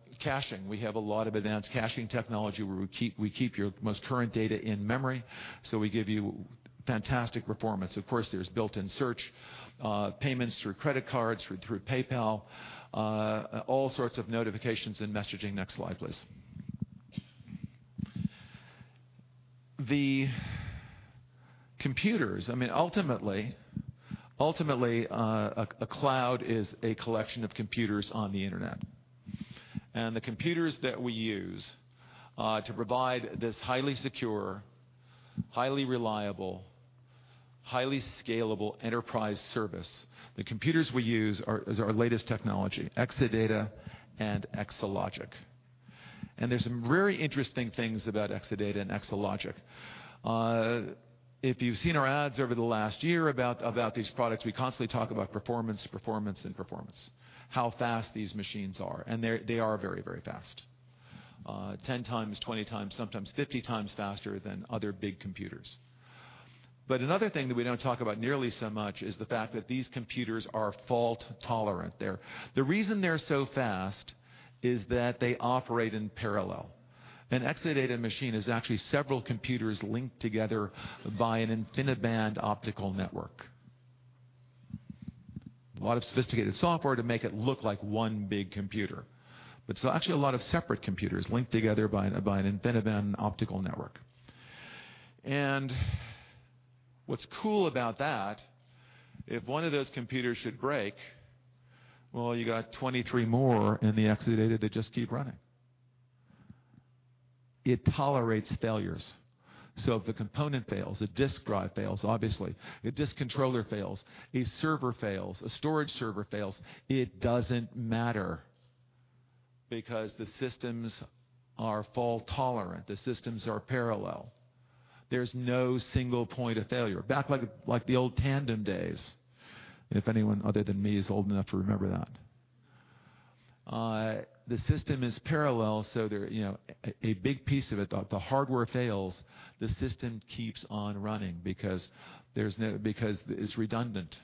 We have a lot of advanced caching technology where we keep your most current data in memory, so we give you fantastic performance. Of course, there's built-in search, payments through credit cards, through PayPal, all sorts of notifications and messaging. Next slide, please. The computers, ultimately, a Cloud is a collection of computers on the Internet. The computers that we use to provide this highly secure, highly reliable, highly scalable enterprise service, the computers we use is our latest technology, Exadata and Exalogic. There's some very interesting things about Exadata and Exalogic. If you've seen our ads over the last year about these products, we constantly talk about performance, and performance. How fast these machines are, and they are very fast. 10 times, 20 times, sometimes 50 times faster than other big computers. Another thing that we don't talk about nearly so much is the fact that these computers are fault-tolerant. The reason they're so fast is that they operate in parallel. An Exadata machine is actually several computers linked together by an InfiniBand optical network. A lot of sophisticated software to make it look like one big computer. It's actually a lot of separate computers linked together by an InfiniBand optical network. What's cool about that, if one of those computers should break, you got 23 more in the Exadata that just keep running. It tolerates failures. If a component fails, a disk drive fails, obviously, a disk controller fails, a server fails, a storage server fails, it doesn't matter because the systems are fault-tolerant. The systems are parallel. There's no single point of failure. Back like the old Tandem days, if anyone other than me is old enough to remember that. The system is parallel, a big piece of it, the hardware fails, the system keeps on running because it's redundant.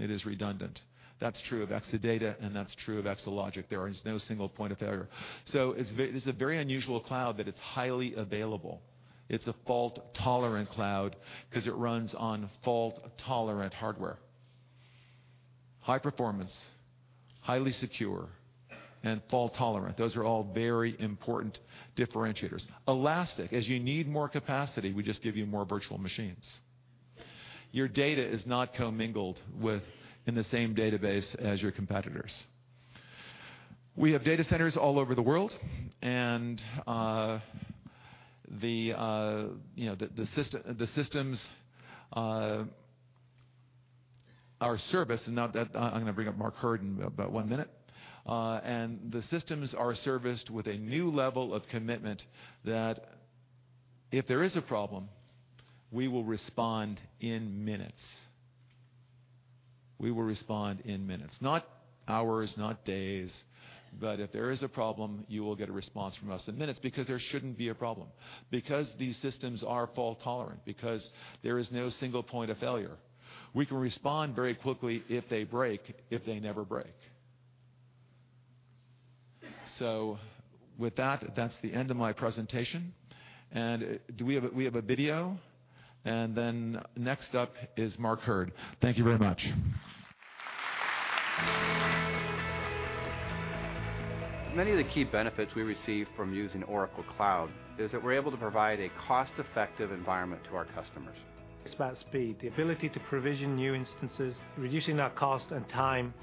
It is redundant. That's true of Exadata, and that's true of Exalogic. There is no single point of failure. This is a very unusual cloud that it's highly available. It's a fault-tolerant cloud because it runs on fault-tolerant hardware. High performance, highly secure, and fault-tolerant. Those are all very important differentiators. Elastic. As you need more capacity, we just give you more virtual machines. Your data is not commingled in the same database as your competitors. We have data centers all over the world, the systems are serviced, and I'm going to bring up Mark Hurd in about one minute. The systems are serviced with a new level of commitment that if there is a problem, we will respond in minutes. We will respond in minutes. Not hours, not days, but if there is a problem, you will get a response from us in minutes because there shouldn't be a problem. Because these systems are fault-tolerant, because there is no single point of failure. We can respond very quickly if they break, if they never break. With that's the end of my presentation. We have a video, and then next up is Mark Hurd. Thank you very much. Many of the key benefits we receive from using Oracle Cloud is that we're able to provide a cost-effective environment to our customers. It's about speed, the ability to provision new instances, reducing that cost and time,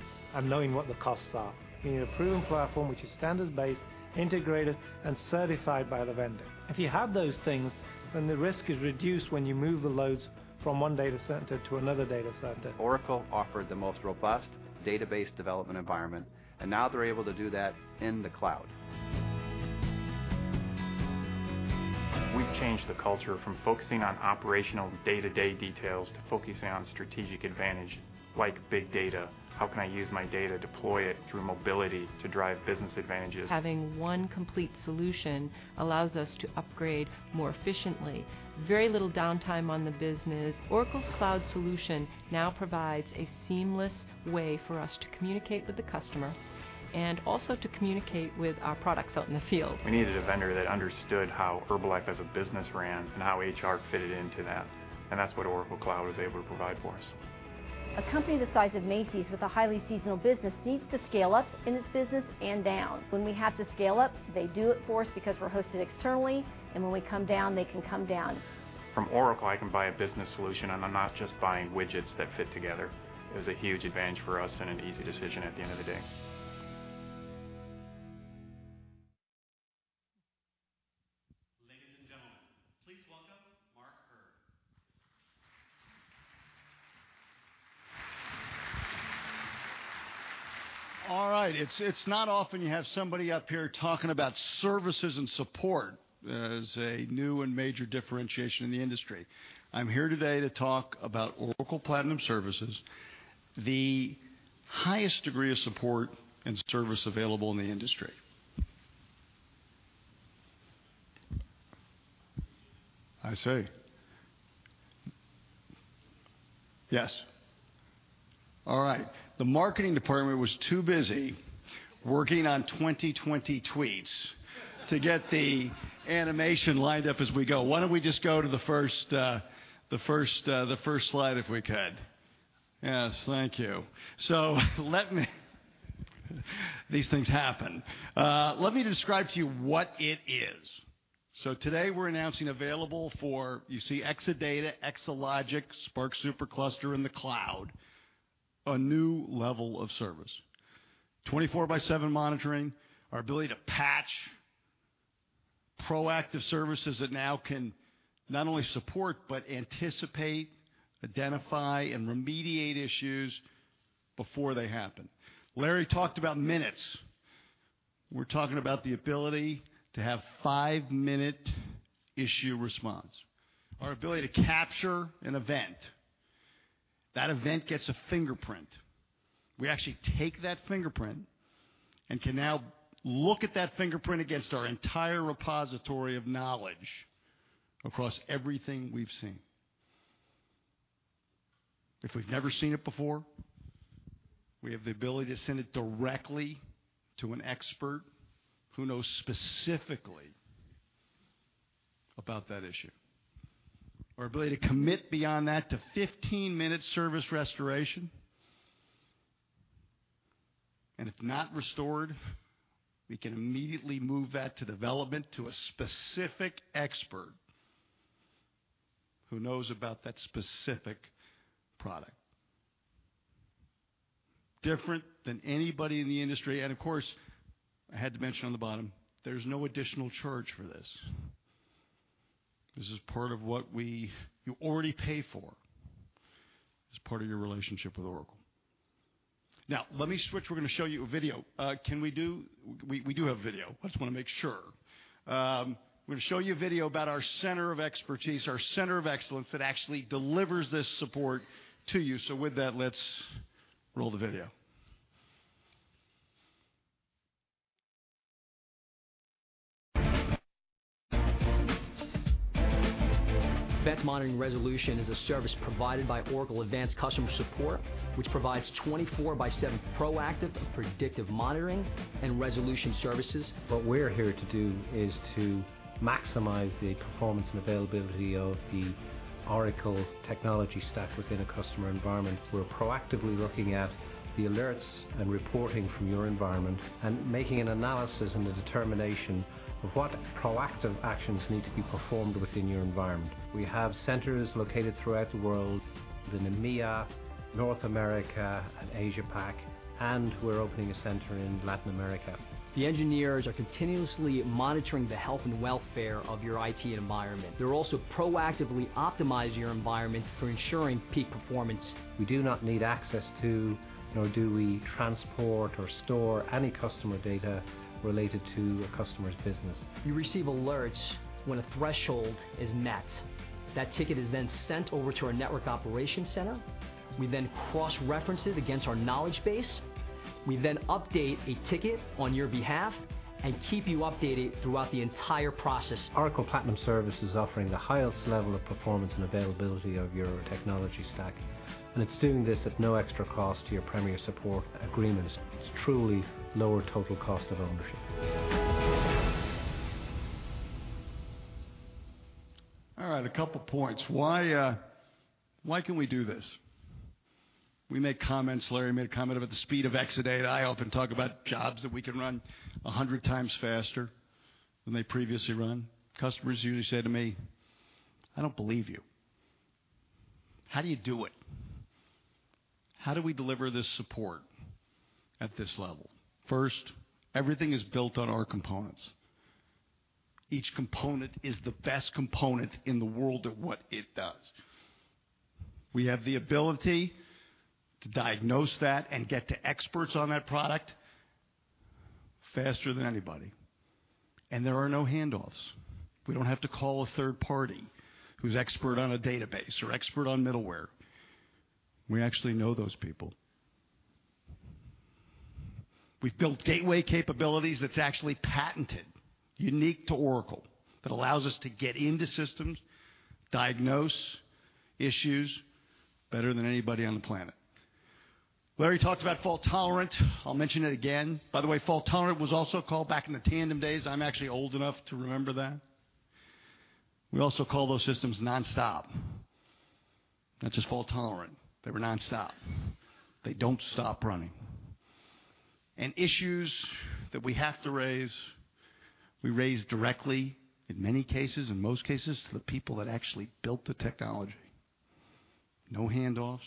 knowing what the costs are. You need a proven platform which is standards-based, integrated, and certified by the vendor. If you have those things, the risk is reduced when you move the loads from one data center to another data center. Oracle offered the most robust database development environment. Now they're able to do that in the cloud. We've changed the culture from focusing on operational day-to-day details to focusing on strategic advantage like big data. How can I use my data, deploy it through mobility to drive business advantages? Having one complete solution allows us to upgrade more efficiently. Very little downtime on the business. Oracle's Cloud solution now provides a seamless way for us to communicate with the customer and also to communicate with our products out in the field. We needed a vendor that understood how Herbalife as a business ran and how HR fitted into that. That's what Oracle Cloud was able to provide for us. A company the size of Macy's with a highly seasonal business needs to scale up in its business and down. When we have to scale up, they do it for us because we're hosted externally, and when we come down, they can come down. From Oracle, I can buy a business solution. I'm not just buying widgets that fit together. It was a huge advantage for us and an easy decision at the end of the day. Ladies and gentlemen, please welcome Mark Hurd. All right. It's not often you have somebody up here talking about services and support as a new and major differentiation in the industry. I'm here today to talk about Oracle Platinum Services, the highest degree of support and service available in the industry. I say. Yes. All right. The marketing department was too busy working on 2020 tweets to get the animation lined up as we go. Why don't we just go to the first slide, if we could. Yes, thank you. These things happen. Let me describe to you what it is. Today, we're announcing available for, you see Exadata, Exalogic, SPARC SuperCluster in the cloud, a new level of service. 24 by seven monitoring. Our ability to patch. Proactive services that now can not only support but anticipate, identify, and remediate issues before they happen. Larry talked about minutes. We're talking about the ability to have five-minute issue response. Our ability to capture an event. That event gets a fingerprint. We actually take that fingerprint and can now look at that fingerprint against our entire repository of knowledge across everything we've seen. If we've never seen it before, we have the ability to send it directly to an expert who knows specifically about that issue. Our ability to commit beyond that to 15-minute service restoration. If not restored, we can immediately move that to development, to a specific expert who knows about that specific product. Different than anybody in the industry, of course, I had to mention on the bottom, there's no additional charge for this. This is part of what you already pay for as part of your relationship with Oracle. Let me switch. We're going to show you a video. We do have a video. I just want to make sure. We're going to show you a video about our center of expertise, our center of excellence that actually delivers this support to you. With that, let's roll the video. Best monitoring resolution is a service provided by Oracle Advanced Customer Services, which provides 24 by 7 proactive and predictive monitoring and resolution services. What we're here to do is to maximize the performance and availability of the Oracle technology stack within a customer environment. We're proactively looking at the alerts and reporting from your environment and making an analysis and the determination of what proactive actions need to be performed within your environment. We have centers located throughout the world, EMEA, North America, and Asia Pac. We're opening a center in Latin America. The engineers are continuously monitoring the health and welfare of your IT environment. They're also proactively optimizing your environment for ensuring peak performance. We do not need access to, nor do we transport or store any customer data related to a customer's business. You receive alerts when a threshold is met. That ticket is then sent over to our network operations center. We then cross-reference it against our knowledge base. We then update a ticket on your behalf and keep you updated throughout the entire process. Oracle Platinum Services is offering the highest level of performance and availability of your technology stack, and it's doing this at no extra cost to your Premier Support agreement. It's truly lower total cost of ownership. All right, a couple of points. Why can we do this? We make comments, Larry made a comment about the speed of Exadata. I often talk about jobs that we can run 100 times faster than they previously run. Customers usually say to me, "I don't believe you. How do you do it?" How do we deliver this support at this level? First, everything is built on our components. Each component is the best component in the world at what it does. We have the ability to diagnose that and get to experts on that product faster than anybody. There are no handoffs. We don't have to call a third party who's expert on a database or expert on middleware. We actually know those people. We've built gateway capabilities that's actually patented, unique to Oracle, that allows us to get into systems, diagnose issues better than anybody on the planet. Larry talked about fault-tolerant. I'll mention it again. By the way, fault-tolerant was also called back in the Tandem days. I'm actually old enough to remember that. We also call those systems NonStop. Not just fault-tolerant. They were NonStop. They don't stop running. Issues that we have to raise, we raise directly, in many cases, in most cases, to the people that actually built the technology. No handoffs.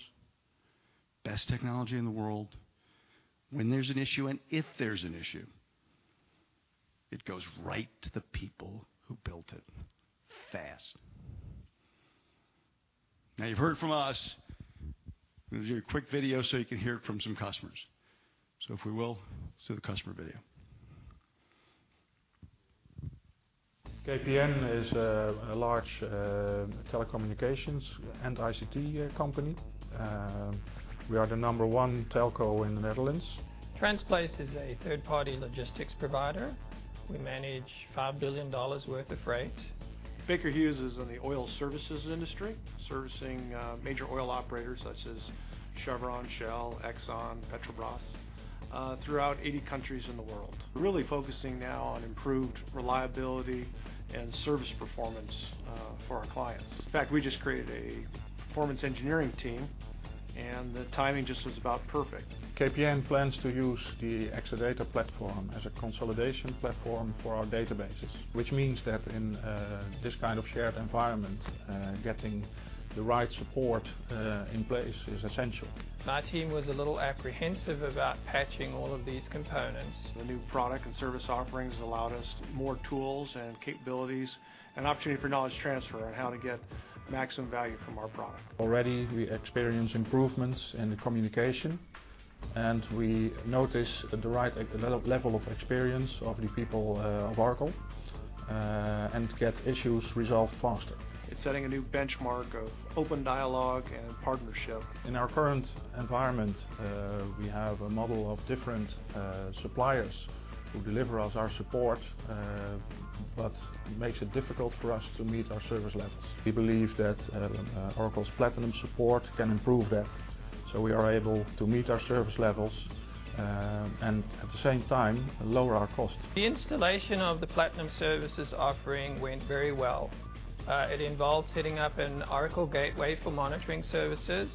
Best technology in the world. When there's an issue, and if there's an issue, it goes right to the people who built it, fast. Now you've heard from us. We'll do a quick video so you can hear it from some customers. If we will, let's do the customer video. KPN is a large telecommunications and ICT company. We are the number 1 telco in the Netherlands. Transplace is a third-party logistics provider. We manage $5 billion worth of freight. Baker Hughes is in the oil services industry, servicing major oil operators such as Chevron, Shell, Exxon, Petrobras, throughout 80 countries in the world. We're really focusing now on improved reliability and service performance for our clients. In fact, we just created a performance engineering team. The timing just was about perfect. KPN plans to use the Exadata platform as a consolidation platform for our databases, which means that in this kind of shared environment getting the right support in place is essential. My team was a little apprehensive about patching all of these components. The new product and service offerings allowed us more tools and capabilities, an opportunity for knowledge transfer on how to get maximum value from our product. Already, we experience improvements in the communication, and we notice the right level of experience of the people of Oracle, and get issues resolved faster. It's setting a new benchmark of open dialogue and partnership. In our current environment, we have a model of different suppliers who deliver us our support, but it makes it difficult for us to meet our service levels. We believe that Oracle's Platinum Services can improve that, so we are able to meet our service levels, and at the same time, lower our cost. The installation of the Oracle Platinum Services offering went very well. It involves hitting up an Oracle gateway for monitoring services,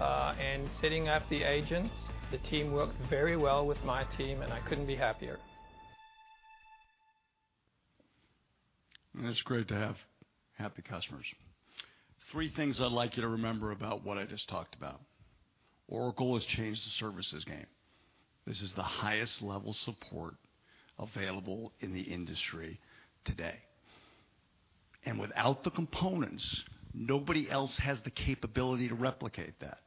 and setting up the agents. The team worked very well with my team, and I couldn't be happier. It's great to have happy customers. Three things I'd like you to remember about what I just talked about. Oracle has changed the services game. This is the highest level support available in the industry today. Without the components, nobody else has the capability to replicate that.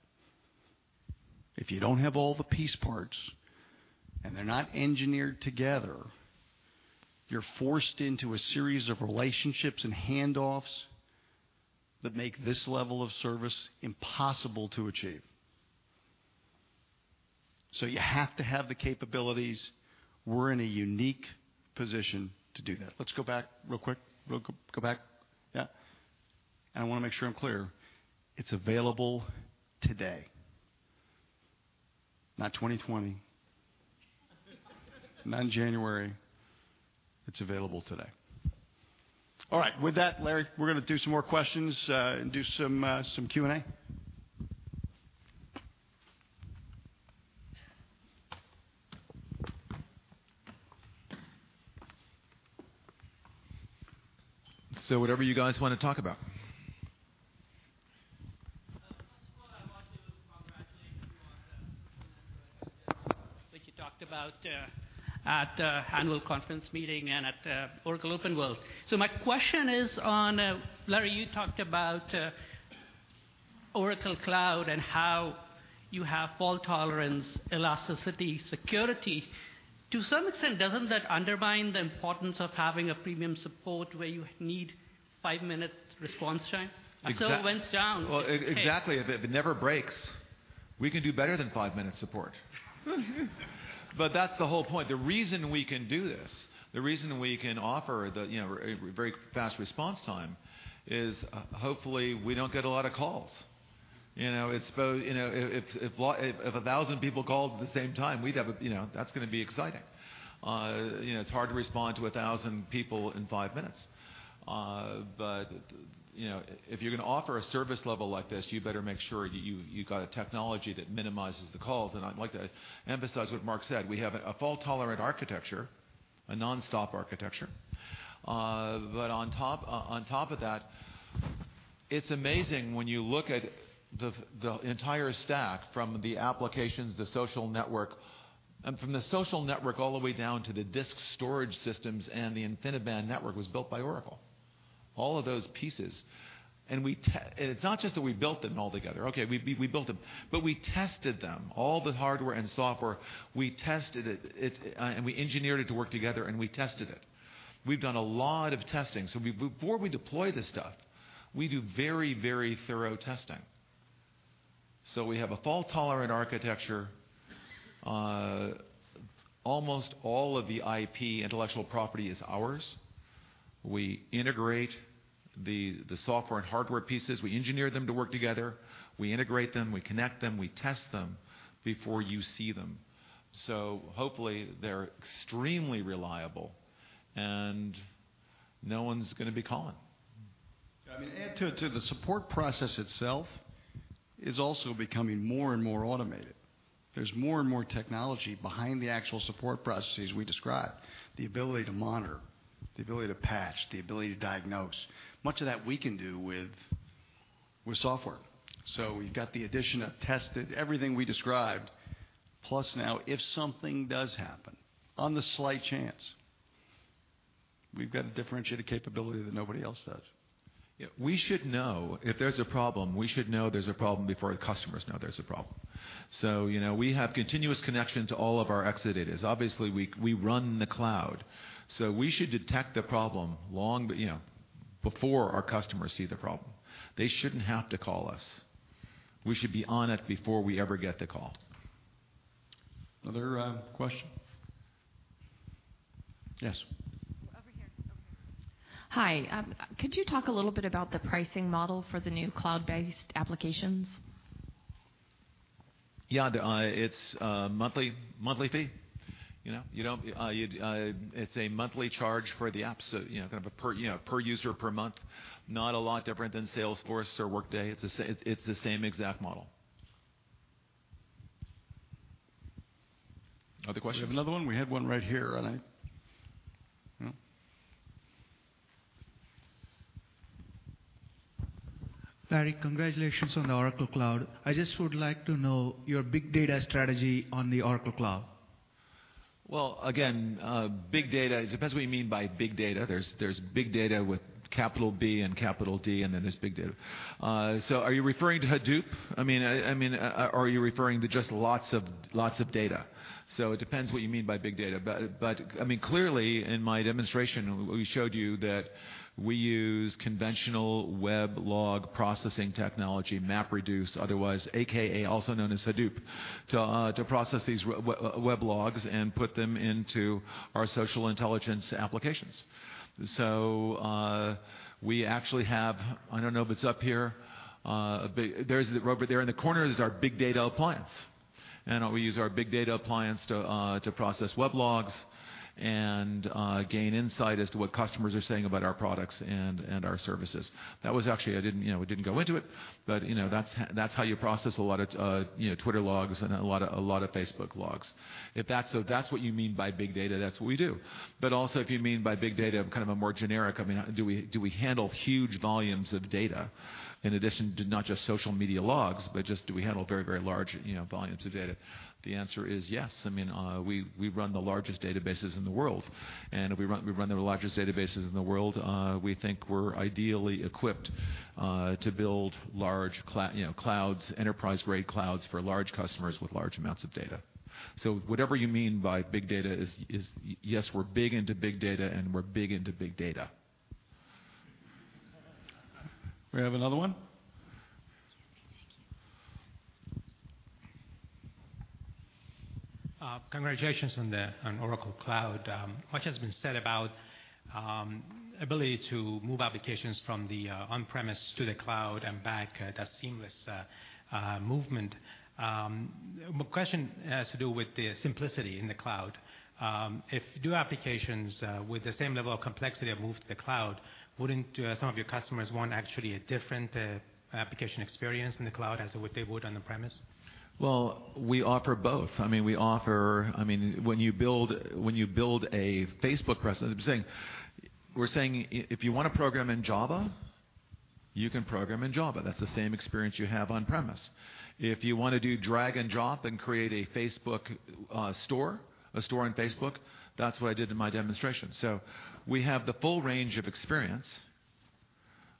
If you don't have all the piece parts and they're not engineered together, you're forced into a series of relationships and handoffs that make this level of service impossible to achieve. You have to have the capabilities. We're in a unique position to do that. Let's go back real quick. Go back. Yeah. I want to make sure I'm clear. It's available today. Not 2020. Not in January. It's available today. All right. With that, Larry, we're going to do some more questions, and do some Q&A. Whatever you guys want to talk about. First of all, I want to congratulate you on the solution that you talked about at the annual conference meeting and at Oracle OpenWorld. My question is on, Larry, you talked about Oracle Cloud and how you have fault tolerance, elasticity, security. To some extent, doesn't that undermine the importance of having a premium support where you need five-minute response time? Well, exactly. If it never breaks, we can do better than five-minute support. That's the whole point. The reason we can do this, the reason we can offer a very fast response time is, hopefully, we don't get a lot of calls. If 1,000 people called at the same time, that's going to be exciting. It's hard to respond to 1,000 people in five minutes. If you're going to offer a service level like this you better make sure you got a technology that minimizes the calls, and I'd like to emphasize what Mark said. We have a fault-tolerant architecture, a nonstop architecture. On top of that, it's amazing when you look at the entire stack from the applications, the Oracle Social Network, and from the Oracle Social Network all the way down to the disk storage systems and the InfiniBand network was built by Oracle. It's not just that we built them all together. Okay, we built them. We tested them, all the hardware and software, we tested it, and we engineered it to work together, and we tested it. We've done a lot of testing. Before we deploy this stuff, we do very thorough testing. We have a fault-tolerant architecture. Almost all of the IP, intellectual property, is ours. We integrate the software and hardware pieces. We engineer them to work together. We integrate them. We connect them. We test them before you see them. Hopefully, they're extremely reliable and no one's going to be calling. I mean, add to the support process itself is also becoming more and more automated. There's more and more technology behind the actual support processes we described. The ability to monitor, the ability to patch, the ability to diagnose. Much of that we can do with software. We've got the addition of tested, everything we described. Plus now, if something does happen, on the slight chance, we've got a differentiated capability that nobody else does. Yeah. We should know if there's a problem. We should know there's a problem before the customers know there's a problem. We have continuous connection to all of our Exadatas. Obviously, we run the cloud, we should detect a problem long before our customers see the problem. They shouldn't have to call us. We should be on it before we ever get the call. Another question? Yes. Over here. Okay. Hi. Could you talk a little bit about the pricing model for the new cloud-based applications? Yeah. It's a monthly fee. It's a monthly charge for the apps, kind of a per user, per month. Not a lot different than Salesforce or Workday. It's the same exact model. Other questions? We have another one. We had one right here. Larry, congratulations on the Oracle Cloud. I just would like to know your big data strategy on the Oracle Cloud. Well, again, big data, it depends what you mean by big data. There's big data with capital B and capital D, and then there's big data. Are you referring to Hadoop? I mean, are you referring to just lots of data? It depends what you mean by big data, but clearly in my demonstration, we showed you that we use conventional web log processing technology, MapReduce, otherwise, AKA, also known as Hadoop, to process these web logs and put them into our social intelligence applications. We actually have, I don't know if it's up here. Over there in the corner is our Oracle Big Data Appliance, and we use our Oracle Big Data Appliance to process web logs and gain insight as to what customers are saying about our products and our services. That was actually, we didn't go into it, but that's how you process a lot of Twitter logs and a lot of Facebook logs. If that's what you mean by big data, that's what we do. Also, if you mean by big data kind of a more generic, do we handle huge volumes of data in addition to not just social media logs, but just do we handle very large volumes of data? The answer is yes. We run the largest databases in the world, and we think we're ideally equipped to build enterprise-grade clouds for large customers with large amounts of data. Whatever you mean by big data is, yes, we're big into big data, and we're big into big data. We have another one? Yeah. Thank you. Congratulations on Oracle Cloud. Much has been said about ability to move applications from the on-premise to the cloud and back, that seamless movement. My question has to do with the simplicity in the cloud. If new applications with the same level of complexity have moved to the cloud, wouldn't some of your customers want actually a different application experience in the cloud as they would on the premise? Well, we offer both. When you build a Facebook presence, we're saying if you want to program in Java, you can program in Java. That's the same experience you have on-premise. If you want to do drag and drop and create a store on Facebook, that's what I did in my demonstration. We have the full range of experience,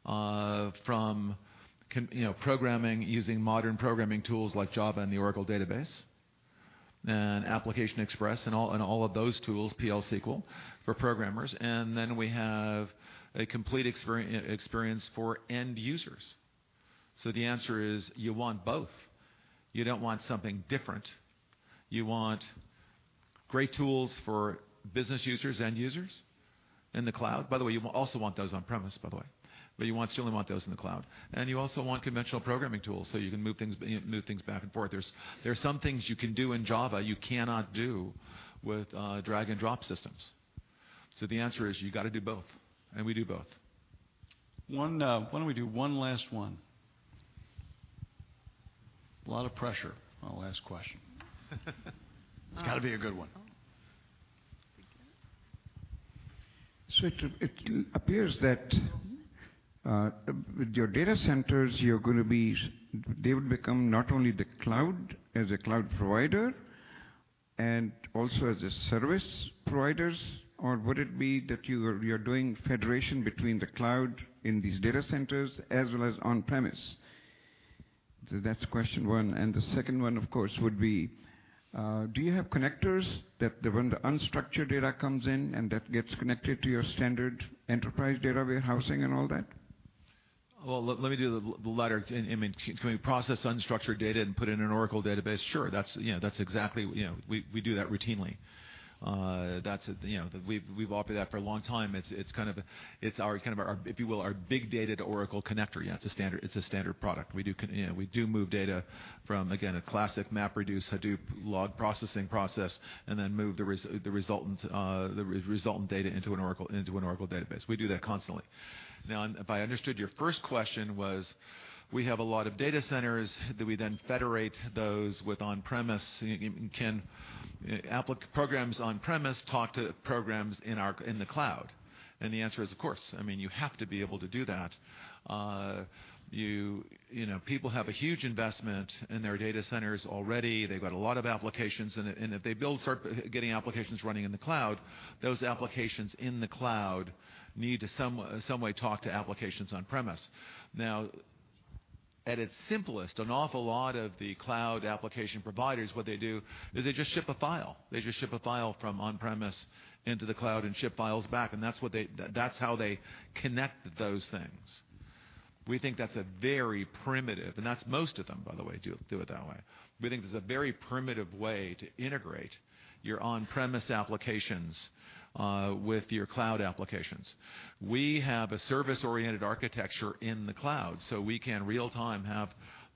from programming using modern programming tools like Java and the Oracle Database and Application Express and all of those tools, PL/SQL for programmers. We have a complete experience for end users. The answer is you want both. You don't want something different. You want great tools for business users, end users in the cloud. By the way, you also want those on-premise, by the way. You still want those in the cloud. You also want conventional programming tools so you can move things back and forth. There's some things you can do in Java you cannot do with drag-and-drop systems. The answer is you got to do both, and we do both. Why don't we do one last one? A lot of pressure, my last question. It's got to be a good one. We can. It appears that with your data centers, they would become not only the cloud as a cloud provider and also as a service providers, or would it be that you're doing federation between the cloud in these data centers as well as on-premise? That's question one. The second one, of course, would be, do you have connectors that when the unstructured data comes in and that gets connected to your standard enterprise data warehousing and all that? Well, let me do the latter. Can we process unstructured data and put it in an Oracle Database? Sure. We do that routinely. We've offered that for a long time. It's our, if you will, our big data to Oracle connector. Yeah, it's a standard product. We do move data from, again, a classic MapReduce Hadoop log processing process and then move the resultant data into an Oracle Database. We do that constantly. Now, if I understood, your first question was, we have a lot of data centers, do we then federate those with on-premise? Can programs on-premise talk to programs in the cloud? The answer is, of course. You have to be able to do that. People have a huge investment in their data centers already. They've got a lot of applications. If they start getting applications running in the cloud, those applications in the cloud need to some way talk to applications on-premise. At its simplest, an awful lot of the cloud application providers, what they do is they just ship a file. They just ship a file from on-premise into the cloud and ship files back, and that's how they connect those things. We think that's very primitive. Most of them, by the way, do it that way. We think that's a very primitive way to integrate your on-premise applications with your cloud applications. We have a service-oriented architecture in the cloud, we can real time have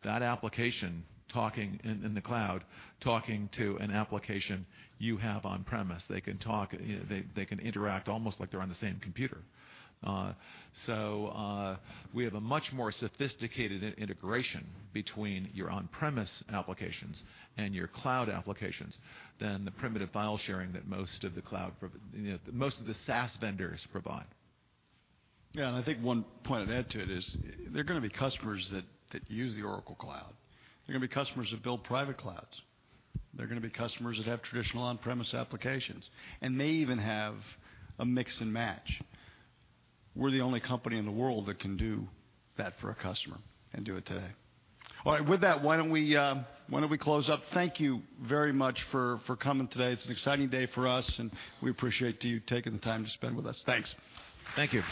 that application in the cloud talking to an application you have on-premise. They can interact almost like they're on the same computer. We have a much more sophisticated integration between your on-premise applications and your cloud applications than the primitive file sharing that most of the SaaS vendors provide. I think one point I'd add to it is there are going to be customers that use the Oracle Cloud. There are going to be customers that build private clouds. There are going to be customers that have traditional on-premise applications. May even have a mix and match. We're the only company in the world that can do that for a customer and do it today. All right. With that, why don't we close up? Thank you very much for coming today. It's an exciting day for us, and we appreciate you taking the time to spend with us. Thanks. Thank you.